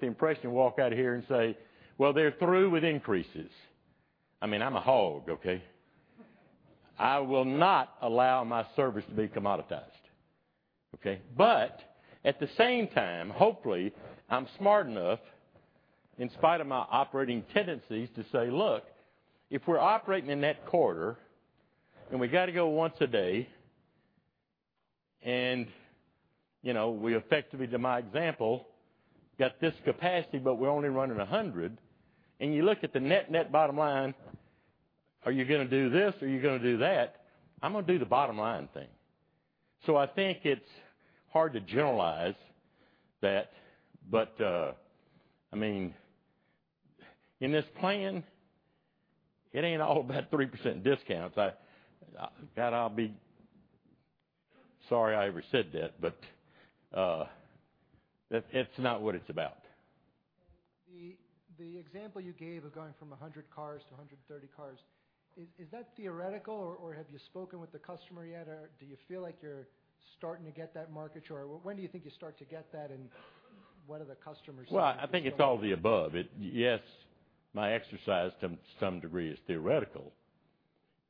the impression and walk out of here and say, "Well, they're through with increases." I mean, I'm a hog, okay? I will not allow my service to be commoditized, okay? But at the same time, hopefully, I'm smart enough, in spite of my operating tendencies, to say: Look, if we're operating in that corridor, and we got to go once a day, and, you know, we effectively, to my example, got this capacity, but we're only running 100, and you look at the net, net bottom line, are you gonna do this or are you gonna do that? I'm gonna do the bottom line thing. So I think it's hard to generalize that, but, I mean, in this plan, it ain't all about 3% discounts. I... God, I'll be sorry I ever said that, but it, it's not what it's about. The example you gave of going from 100 cars to 130 cars, is that theoretical, or have you spoken with the customer yet? Or do you feel like you're starting to get that market share? When do you think you start to get that, and what are the customers- Well, I think it's all the above. Yes, my exercise to some degree is theoretical,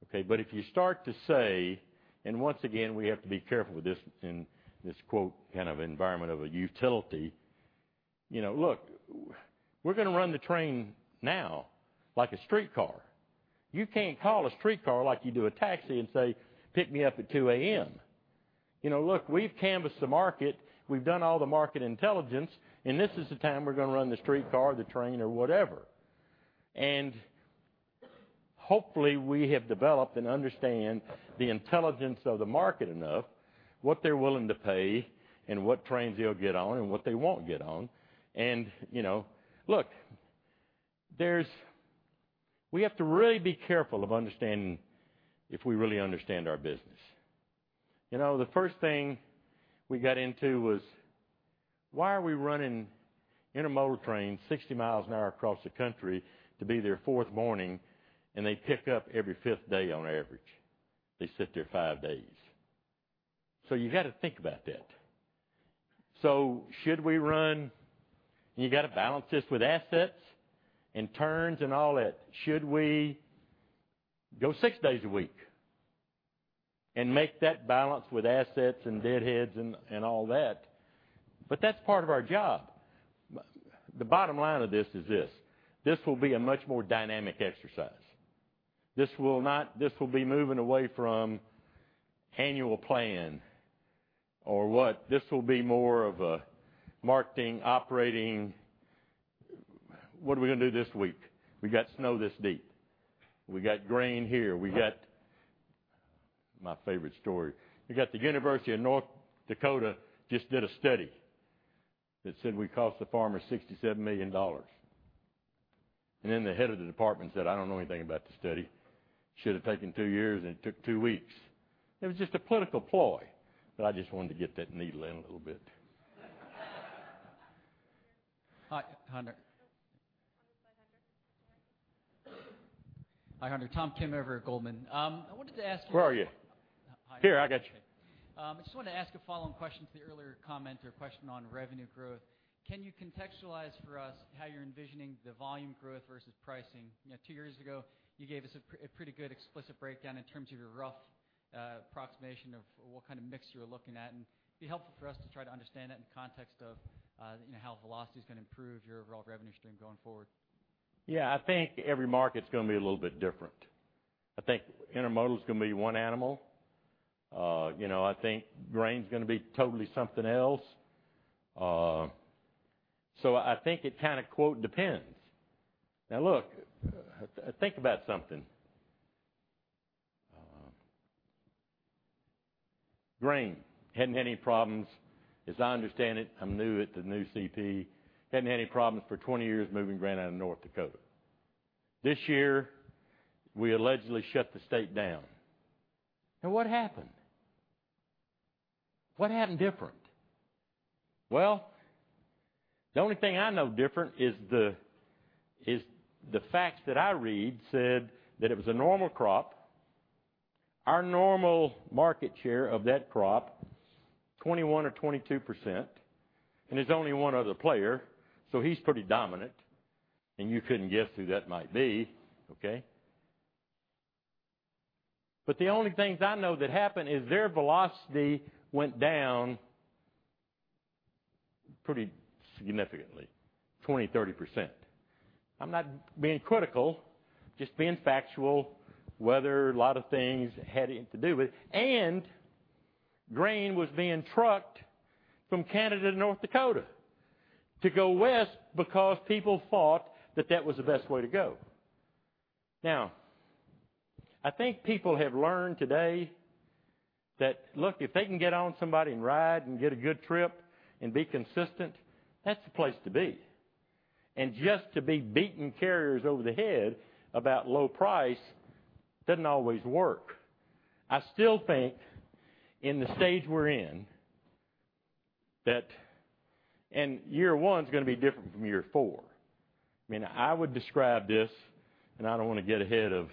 okay? But if you start to say... And once again, we have to be careful with this in this quote, kind of environment of a utility. You know, look, we're gonna run the train now like a streetcar. You can't call a streetcar like you do a taxi and say: Pick me up at 2:00 A.M. You know, look, we've canvassed the market, we've done all the market intelligence, and this is the time we're gonna run the streetcar, the train or whatever. And, you know, look, there's—we have to really be careful of understanding if we really understand our business. You know, the first thing we got into was, why are we running intermodal trains 60 miles an hour across the country to be there 4th morning, and they pick up every 5th day on average? They sit there five days. So you got to think about that. So should we run... And you got to balance this with assets and turns and all that. Should we go six days a week and make that balance with assets and deadheads and, and all that?... But that's part of our job. The bottom line of this is this: this will be a much more dynamic exercise. This will not-- this will be moving away from annual plan or what? This will be more of a marketing, operating, "What are we gonna do this week? We got snow this deep. We got grain here. We got..." My favorite story. We got the University of North Dakota just did a study that said we cost the farmer $67 million. And then the head of the department said, "I don't know anything about the study. Should have taken two years, and it took two weeks." It was just a political ploy, but I just wanted to get that needle in a little bit. Hi, Hunter. Hi, Hunter, Tom Kim over at Goldman. I wanted to ask you- Where are you? Hi. Here, I got you. I just wanted to ask a follow-on question to the earlier comment or question on revenue growth. Can you contextualize for us how you're envisioning the volume growth versus pricing? You know, two years ago, you gave us a pretty good explicit breakdown in terms of your rough approximation of what kind of mix you were looking at. It'd be helpful for us to try to understand that in the context of, you know, how velocity is gonna improve your overall revenue stream going forward. Yeah, I think every market's gonna be a little bit different. I think intermodal is gonna be one animal. You know, I think grain's gonna be totally something else. So I think it kind of, quote, "depends." Now, look, think about something. Grain hadn't had any problems, as I understand it. I'm new at the new CP. Hadn't had any problems for 20 years moving grain out of North Dakota. This year, we allegedly shut the state down. Now, what happened? What happened different? Well, the only thing I know different is the facts that I read said that it was a normal crop. Our normal market share of that crop, 21% or 22%, and there's only one other player, so he's pretty dominant, and you couldn't guess who that might be, okay? But the only things I know that happened is their velocity went down pretty significantly, 20-30%. I'm not being critical, just being factual. Weather, a lot of things had in to do with it, and grain was being trucked from Canada to North Dakota to go west because people thought that that was the best way to go. Now, I think people have learned today that, look, if they can get on somebody and ride and get a good trip and be consistent, that's the place to be. And just to be beating carriers over the head about low price doesn't always work. I still think in the stage we're in, that... And year one is gonna be different from year four. I mean, I would describe this, and I don't want to get ahead of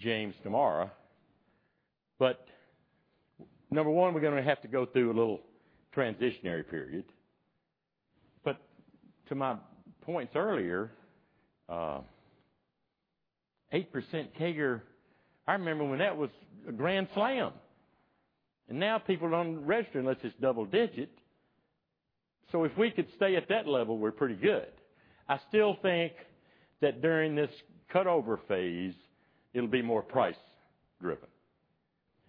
James tomorrow, but number one, we're gonna have to go through a little transitionary period. But to my points earlier, 8% CAGR, I remember when that was a grand slam, and now people don't register unless it's double digit. So if we could stay at that level, we're pretty good. I still think that during this cut-over phase, it'll be more price driven.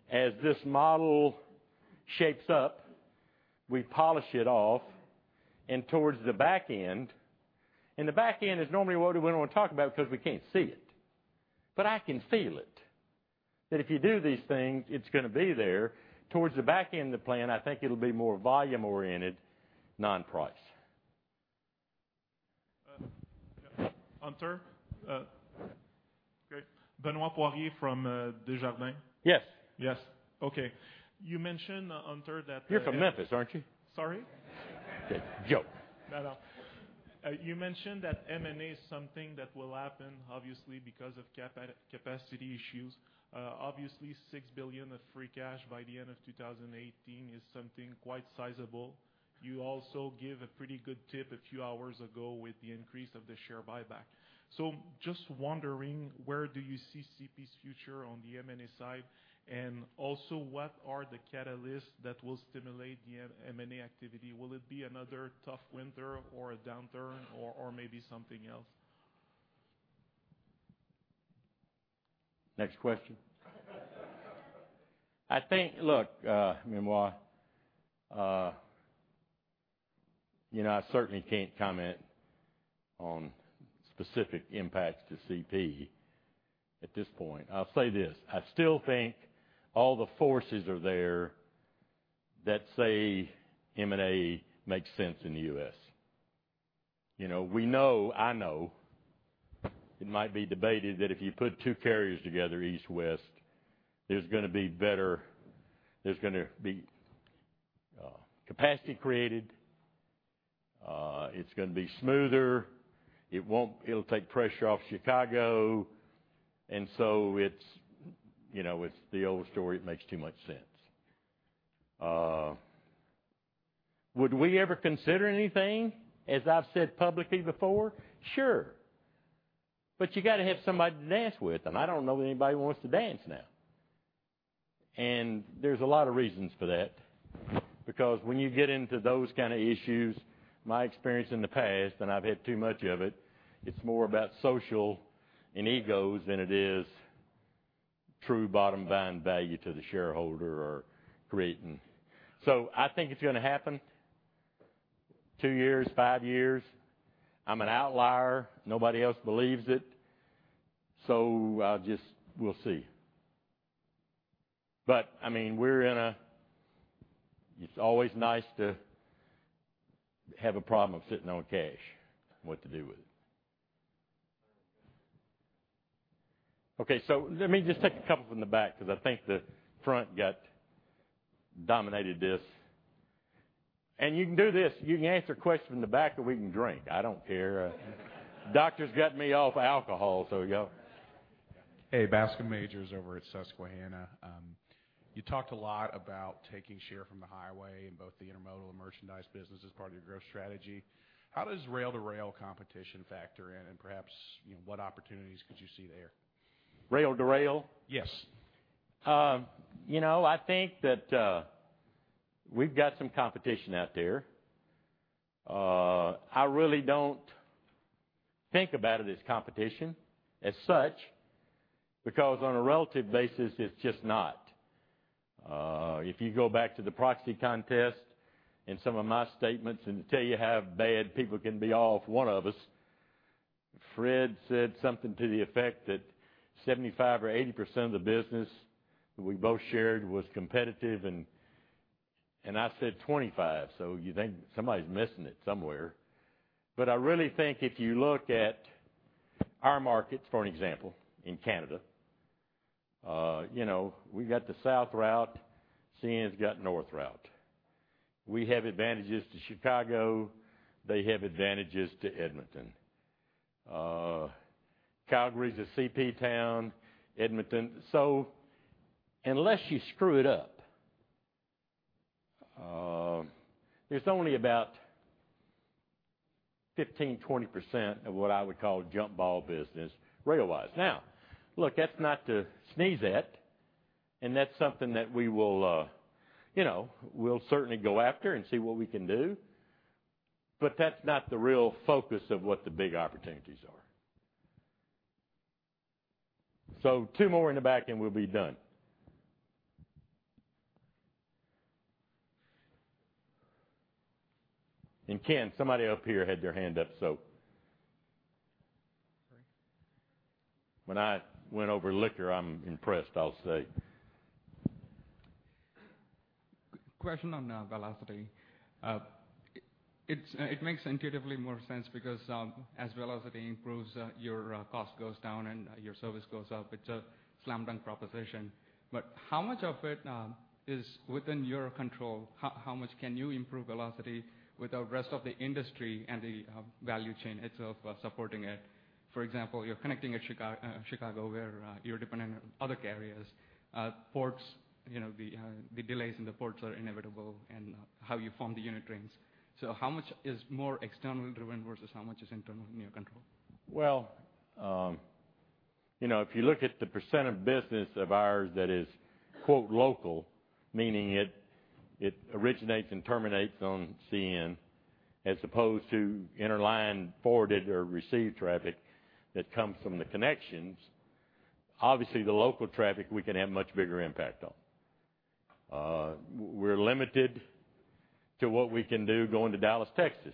As this model shapes up, we polish it off and towards the back end. And the back end is normally what we don't want to talk about because we can't see it, but I can feel it, that if you do these things, it's gonna be there. Towards the back end of the plan, I think it'll be more volume-oriented, non-price. Hunter, okay. Benoit Poirier from Desjardins. Yes. Yes. Okay. You mentioned, Hunter, that- You're from Memphis, aren't you? Sorry? Good. Joke. No, no. You mentioned that M&A is something that will happen, obviously, because of capacity issues. Obviously, 6 billion of free cash by the end of 2018 is something quite sizable. You also give a pretty good tip a few hours ago with the increase of the share buyback. So just wondering, where do you see CP's future on the M&A side? And also, what are the catalysts that will stimulate the M&A activity? Will it be another tough winter or a downturn or, or maybe something else? Next question. I think... Look, Benoit, you know, I certainly can't comment on specific impacts to CP at this point. I'll say this: I still think all the forces are there that say M&A makes sense in the U.S.. You know, we know, I know, it might be debated that if you put two carriers together, east-west, there's gonna be better, there's gonna be capacity created, it's gonna be smoother, it won't, it'll take pressure off Chicago, and so it's, you know, it's the old story, it makes too much sense. Would we ever consider anything, as I've said publicly before? Sure, but you got to have somebody to dance with, and I don't know anybody who wants to dance now... And there's a lot of reasons for that. Because when you get into those kind of issues, my experience in the past, and I've had too much of it, it's more about social and egos than it is true bottom-line value to the shareholder or creating. So I think it's gonna happen, two years, five years. I'm an outlier. Nobody else believes it, so I'll just, we'll see. But, I mean, we're in a, it's always nice to have a problem of sitting on cash, what to do with it. Okay, so let me just take a couple from the back, because I think the front got dominated this. And you can do this: You can answer a question from the back, or we can drink. I don't care. Doctor's got me off alcohol, so go. Hey, Bascome Majors over at Susquehanna. You talked a lot about taking share from the highway in both the intermodal and merchandise business as part of your growth strategy. How does rail-to-rail competition factor in, and perhaps, you know, what opportunities could you see there? Rail to rail? Yes. You know, I think that we've got some competition out there. I really don't think about it as competition as such, because on a relative basis, it's just not. If you go back to the proxy contest and some of my statements, and to tell you how bad people can be off, one of us, Fred, said something to the effect that 75 or 80% of the business that we both shared was competitive, and, and I said 25. So you think somebody's missing it somewhere. But I really think if you look at our markets, for an example, in Canada, you know, we got the south route, CN's got north route. We have advantages to Chicago. They have advantages to Edmonton. Calgary is a CP town, Edmonton. So unless you screw it up, there's only about 15%-20% of what I would call jump ball business, rail-wise. Now, look, that's not to sneeze at, and that's something that we will, you know, we'll certainly go after and see what we can do. But that's not the real focus of what the big opportunities are. So 2 more in the back, and we'll be done. And Ken, somebody up here had their hand up, so... Sorry. When I went over liquor, I'm impressed, I'll say. Question on velocity. It makes intuitively more sense because as velocity improves, your cost goes down and your service goes up. It's a slam dunk proposition. But how much of it is within your control? How much can you improve velocity with the rest of the industry and the value chain itself supporting it? For example, you're connecting at Chicago, where you're dependent on other carriers. Ports, you know, the delays in the ports are inevitable and how you form the unit trains. So how much is more externally driven versus how much is internal in your control? Well, you know, if you look at the percent of business of ours that is, quote, "local," meaning it originates and terminates on CN, as opposed to interline forwarded or received traffic that comes from the connections, obviously, the local traffic we can have much bigger impact on. We're limited to what we can do going to Dallas, Texas,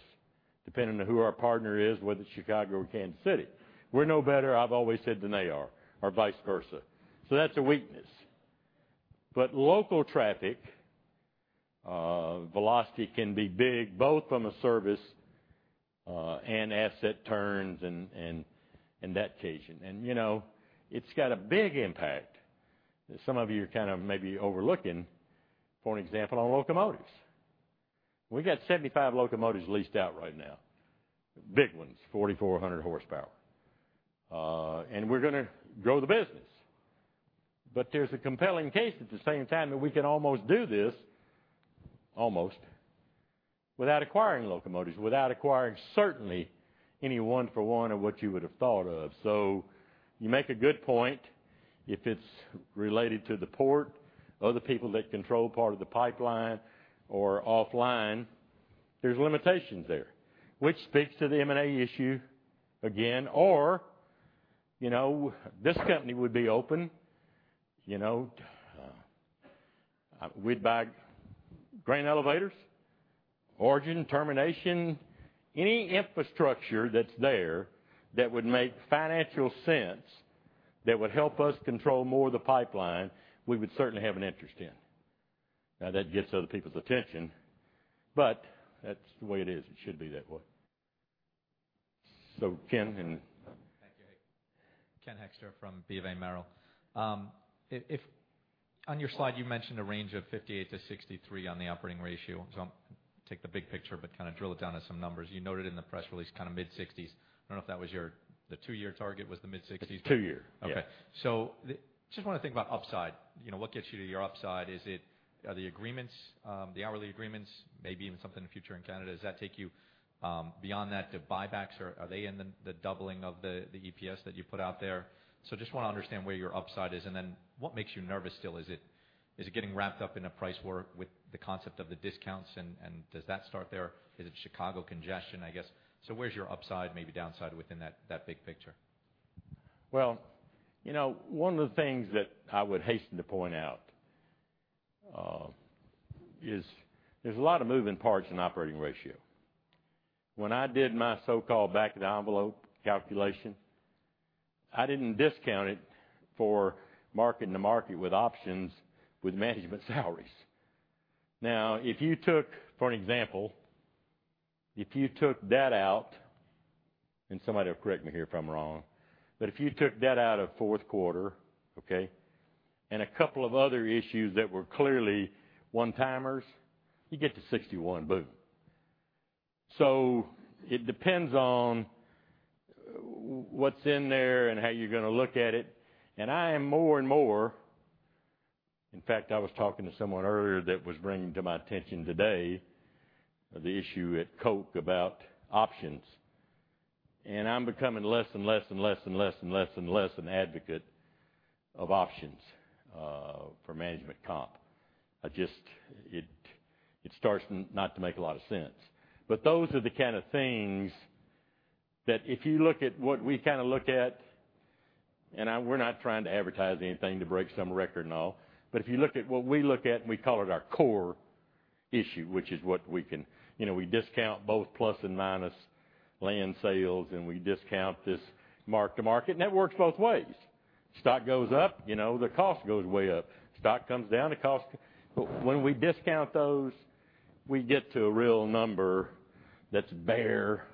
depending on who our partner is, whether it's Chicago or Kansas City. We're no better, I've always said, than they are, or vice versa. So that's a weakness. But local traffic, velocity can be big, both from a service, and asset turns and in that occasion. And, you know, it's got a big impact that some of you are kind of maybe overlooking, for an example, on locomotives. We've got 75 locomotives leased out right now, big ones, 4,400 horsepower. And we're gonna grow the business. But there's a compelling case, at the same time, that we can almost do this, almost, without acquiring locomotives, without acquiring, certainly, any one for one of what you would have thought of. So you make a good point. If it's related to the port, other people that control part of the pipeline or offline, there's limitations there, which speaks to the M&A issue again, or, you know, this company would be open. You know, we'd buy grain elevators, origin, termination, any infrastructure that's there that would make financial sense, that would help us control more of the pipeline, we would certainly have an interest in. Now, that gets other people's attention, but that's the way it is. It should be that way. So, Ken, and- Thank you. Ken Hoexter from B of A Merrill. On your slide, you mentioned a range of 58-63 on the operating ratio. So take the big picture, but kind of drill it down to some numbers. You noted in the press release, kind of mid-60s. I don't know if that was your-- the two-year target was the mid-60s. Two year. Okay. Yes. So just want to think about upside. You know, what gets you to your upside? Is it, the agreements, the hourly agreements, maybe even something in the future in Canada? Does that take you, beyond that, to buybacks, or are they in the, the doubling of the, the EPS that you put out there? So just want to understand where your upside is, and then what makes you nervous still? Is it, is it getting wrapped up in a price war with the concept of the discounts, and, and does that start there? Is it Chicago congestion, I guess? So where's your upside, maybe downside, within that, that big picture? ...Well, you know, one of the things that I would hasten to point out is there's a lot of moving parts in operating ratio. When I did my so-called back of the envelope calculation, I didn't discount it for mark-to-market with options, with management salaries. Now, if you took, for an example, if you took that out, and somebody will correct me here if I'm wrong, but if you took that out of fourth quarter, okay, and a couple of other issues that were clearly one-timers, you get to 61, boom! So it depends on what's in there and how you're gonna look at it. And I am more and more... In fact, I was talking to someone earlier that was bringing to my attention today, the issue at Coke about options. And I'm becoming less and less and less and less and less and less an advocate of options for management comp. I just, it starts not to make a lot of sense. But those are the kind of things that if you look at what we kinda look at, and I'm, we're not trying to advertise anything to break some record and all, but if you look at what we look at, and we call it our core issue, which is what we can. You know, we discount both plus and minus land sales, and we discount this mark-to-market. And that works both ways. Stock goes up, you know, the cost goes way up. Stock comes down, the cost. But when we discount those, we get to a real number that's bare,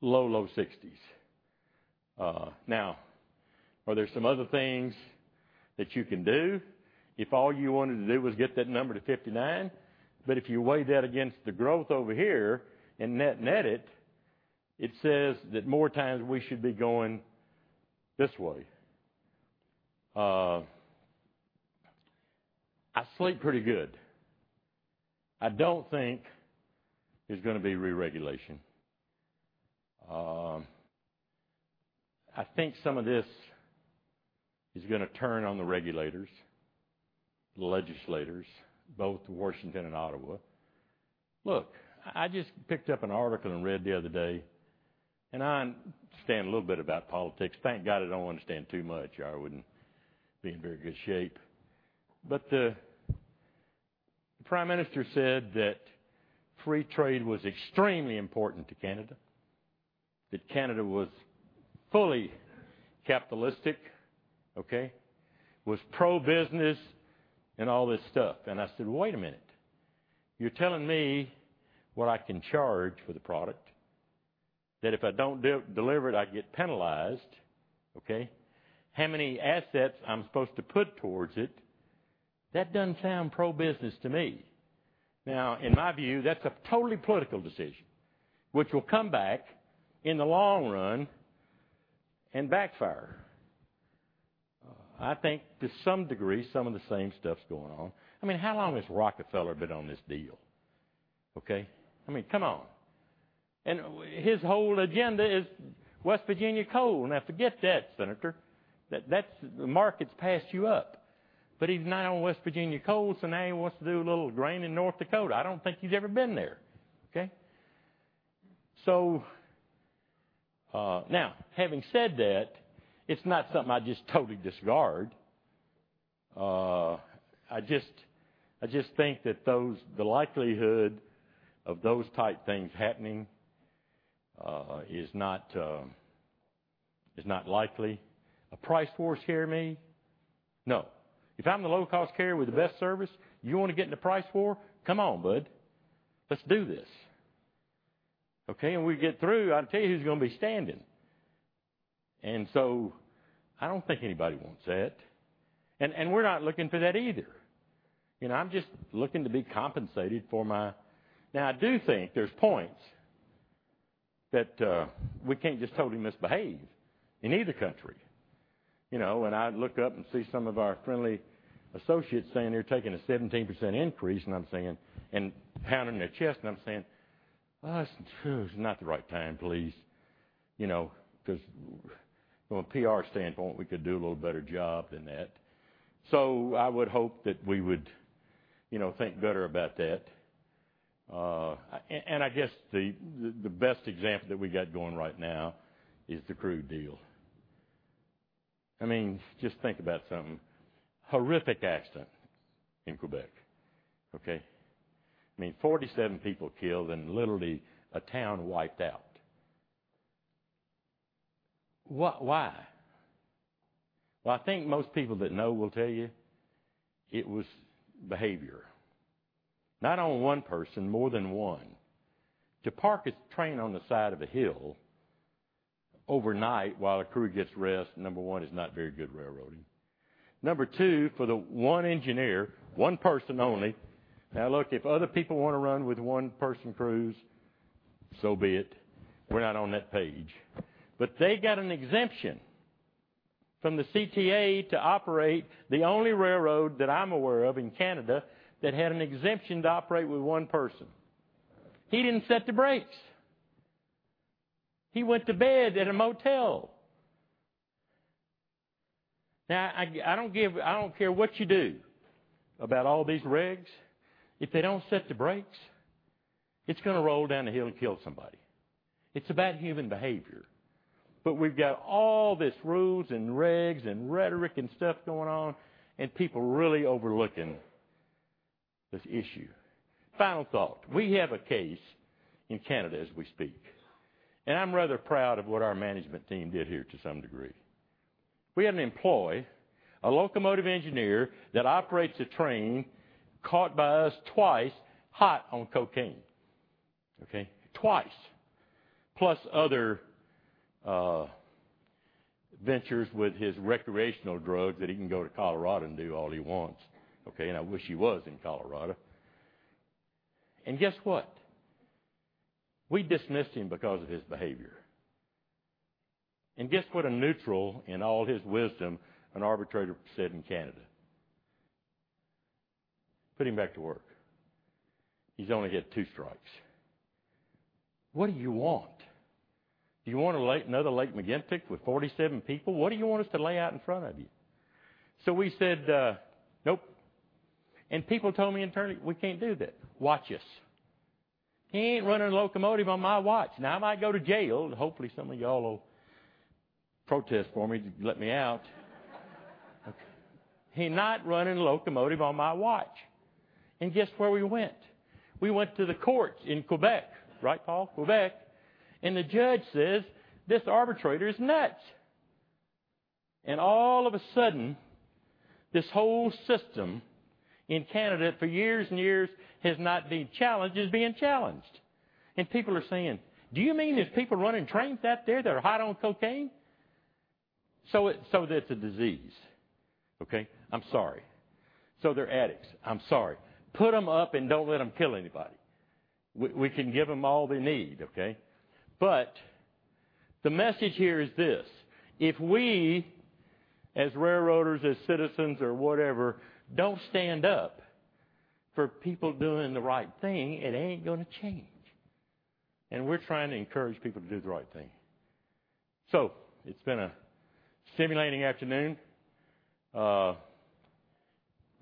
low, low sixties. Now, are there some other things that you can do? If all you wanted to do was get that number to 59, but if you weigh that against the growth over here and net-net it, it says that more times we should be going this way. I sleep pretty good. I don't think there's gonna be re-regulation. I think some of this is gonna turn on the regulators, the legislators, both Washington and Ottawa. Look, I just picked up an article and read the other day, and I understand a little bit about politics. Thank God, I don't understand too much, or I wouldn't be in very good shape. But the, the Prime Minister said that free trade was extremely important to Canada, that Canada was fully capitalistic, okay? Was pro-business and all this stuff. And I said: "Wait a minute. You're telling me what I can charge for the product, that if I don't deliver it, I get penalized, okay? How many assets I'm supposed to put towards it. That doesn't sound pro-business to me." Now, in my view, that's a totally political decision, which will come back in the long run and backfire. I think to some degree, some of the same stuff's going on. I mean, how long has Rockefeller been on this deal, okay? I mean, come on. And his whole agenda is West Virginia coal. Now, forget that, Senator, that's... The market's passed you up. But he's not on West Virginia coal, so now he wants to do a little grain in North Dakota. I don't think he's ever been there, okay? So, now, having said that, it's not something I just totally disregard. I just, I just think that those, the likelihood of those type things happening, is not, is not likely. A price war scare me? No. If I'm the low-cost carrier with the best service, you want to get in a price war? Come on, bud. Let's do this, okay? When we get through, I'll tell you who's gonna be standing. And so I don't think anybody wants that, and, and we're not looking for that either. You know, I'm just looking to be compensated for my... Now, I do think there's points that, we can't just totally misbehave in either country. You know, when I look up and see some of our friendly associates saying they're taking a 17% increase, and I'm saying... Pounding their chest, and I'm saying, "It's not the right time, please." You know, because from a PR standpoint, we could do a little better job than that. So I would hope that we would, you know, think better about that. And I guess the best example that we got going right now is the crew deal. I mean, just think about something horrific accident in Quebec, okay? I mean, 47 people killed and literally a town wiped out. What? Why? Well, I think most people that know will tell you it was behavior. Not on one person, more than one. To park a train on the side of a hill overnight while a crew gets rest, number one, is not very good railroading. Number two, for the one engineer, one person only... Now, look, if other people want to run with one-person crews, so be it. We're not on that page. But they got an exemption from the CTA to operate the only railroad, that I'm aware of, in Canada, that had an exemption to operate with one person. He didn't set the brakes. He went to bed at a motel... Now, I don't care what you do about all these regs. If they don't set the brakes, it's gonna roll down the hill and kill somebody. It's about human behavior. But we've got all this rules and regs and rhetoric and stuff going on, and people are really overlooking this issue. Final thought: We have a case in Canada as we speak, and I'm rather proud of what our management team did here to some degree. We had an employee, a locomotive engineer that operates a train, caught by us twice, hot on cocaine, okay? Twice. Plus other ventures with his recreational drugs that he can go to Colorado and do all he wants, okay? And I wish he was in Colorado. And guess what? We dismissed him because of his behavior. And guess what a neutral, in all his wisdom, an arbitrator said in Canada? "Put him back to work. He's only had two strikes." What do you want? Do you want a Lac-Mégantic, another Lac-Mégantic with 47 people? What do you want us to lay out in front of you? So we said, "Nope." And people told me internally, "We can't do that." Watch us. He ain't running a locomotive on my watch. Now, I might go to jail, and hopefully some of y'all will protest for me to let me out. Okay. He's not running a locomotive on my watch. And guess where we went? We went to the courts in Quebec. Right, Paul? Quebec. And the judge says, "This arbitrator is nuts." And all of a sudden, this whole system in Canada, for years and years, has not been challenged, is being challenged. And people are saying, "Do you mean there's people running trains out there that are hot on cocaine?" So it's a disease. Okay, I'm sorry. So they're addicts. I'm sorry. Put them up and don't let them kill anybody. We can give them all they need, okay? But the message here is this: if we, as railroaders, as citizens, or whatever, don't stand up for people doing the right thing, it ain't gonna change. We're trying to encourage people to do the right thing. It's been a stimulating afternoon. We'll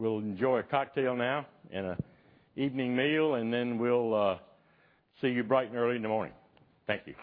enjoy a cocktail now and an evening meal, and then we'll see you bright and early in the morning. Thank you.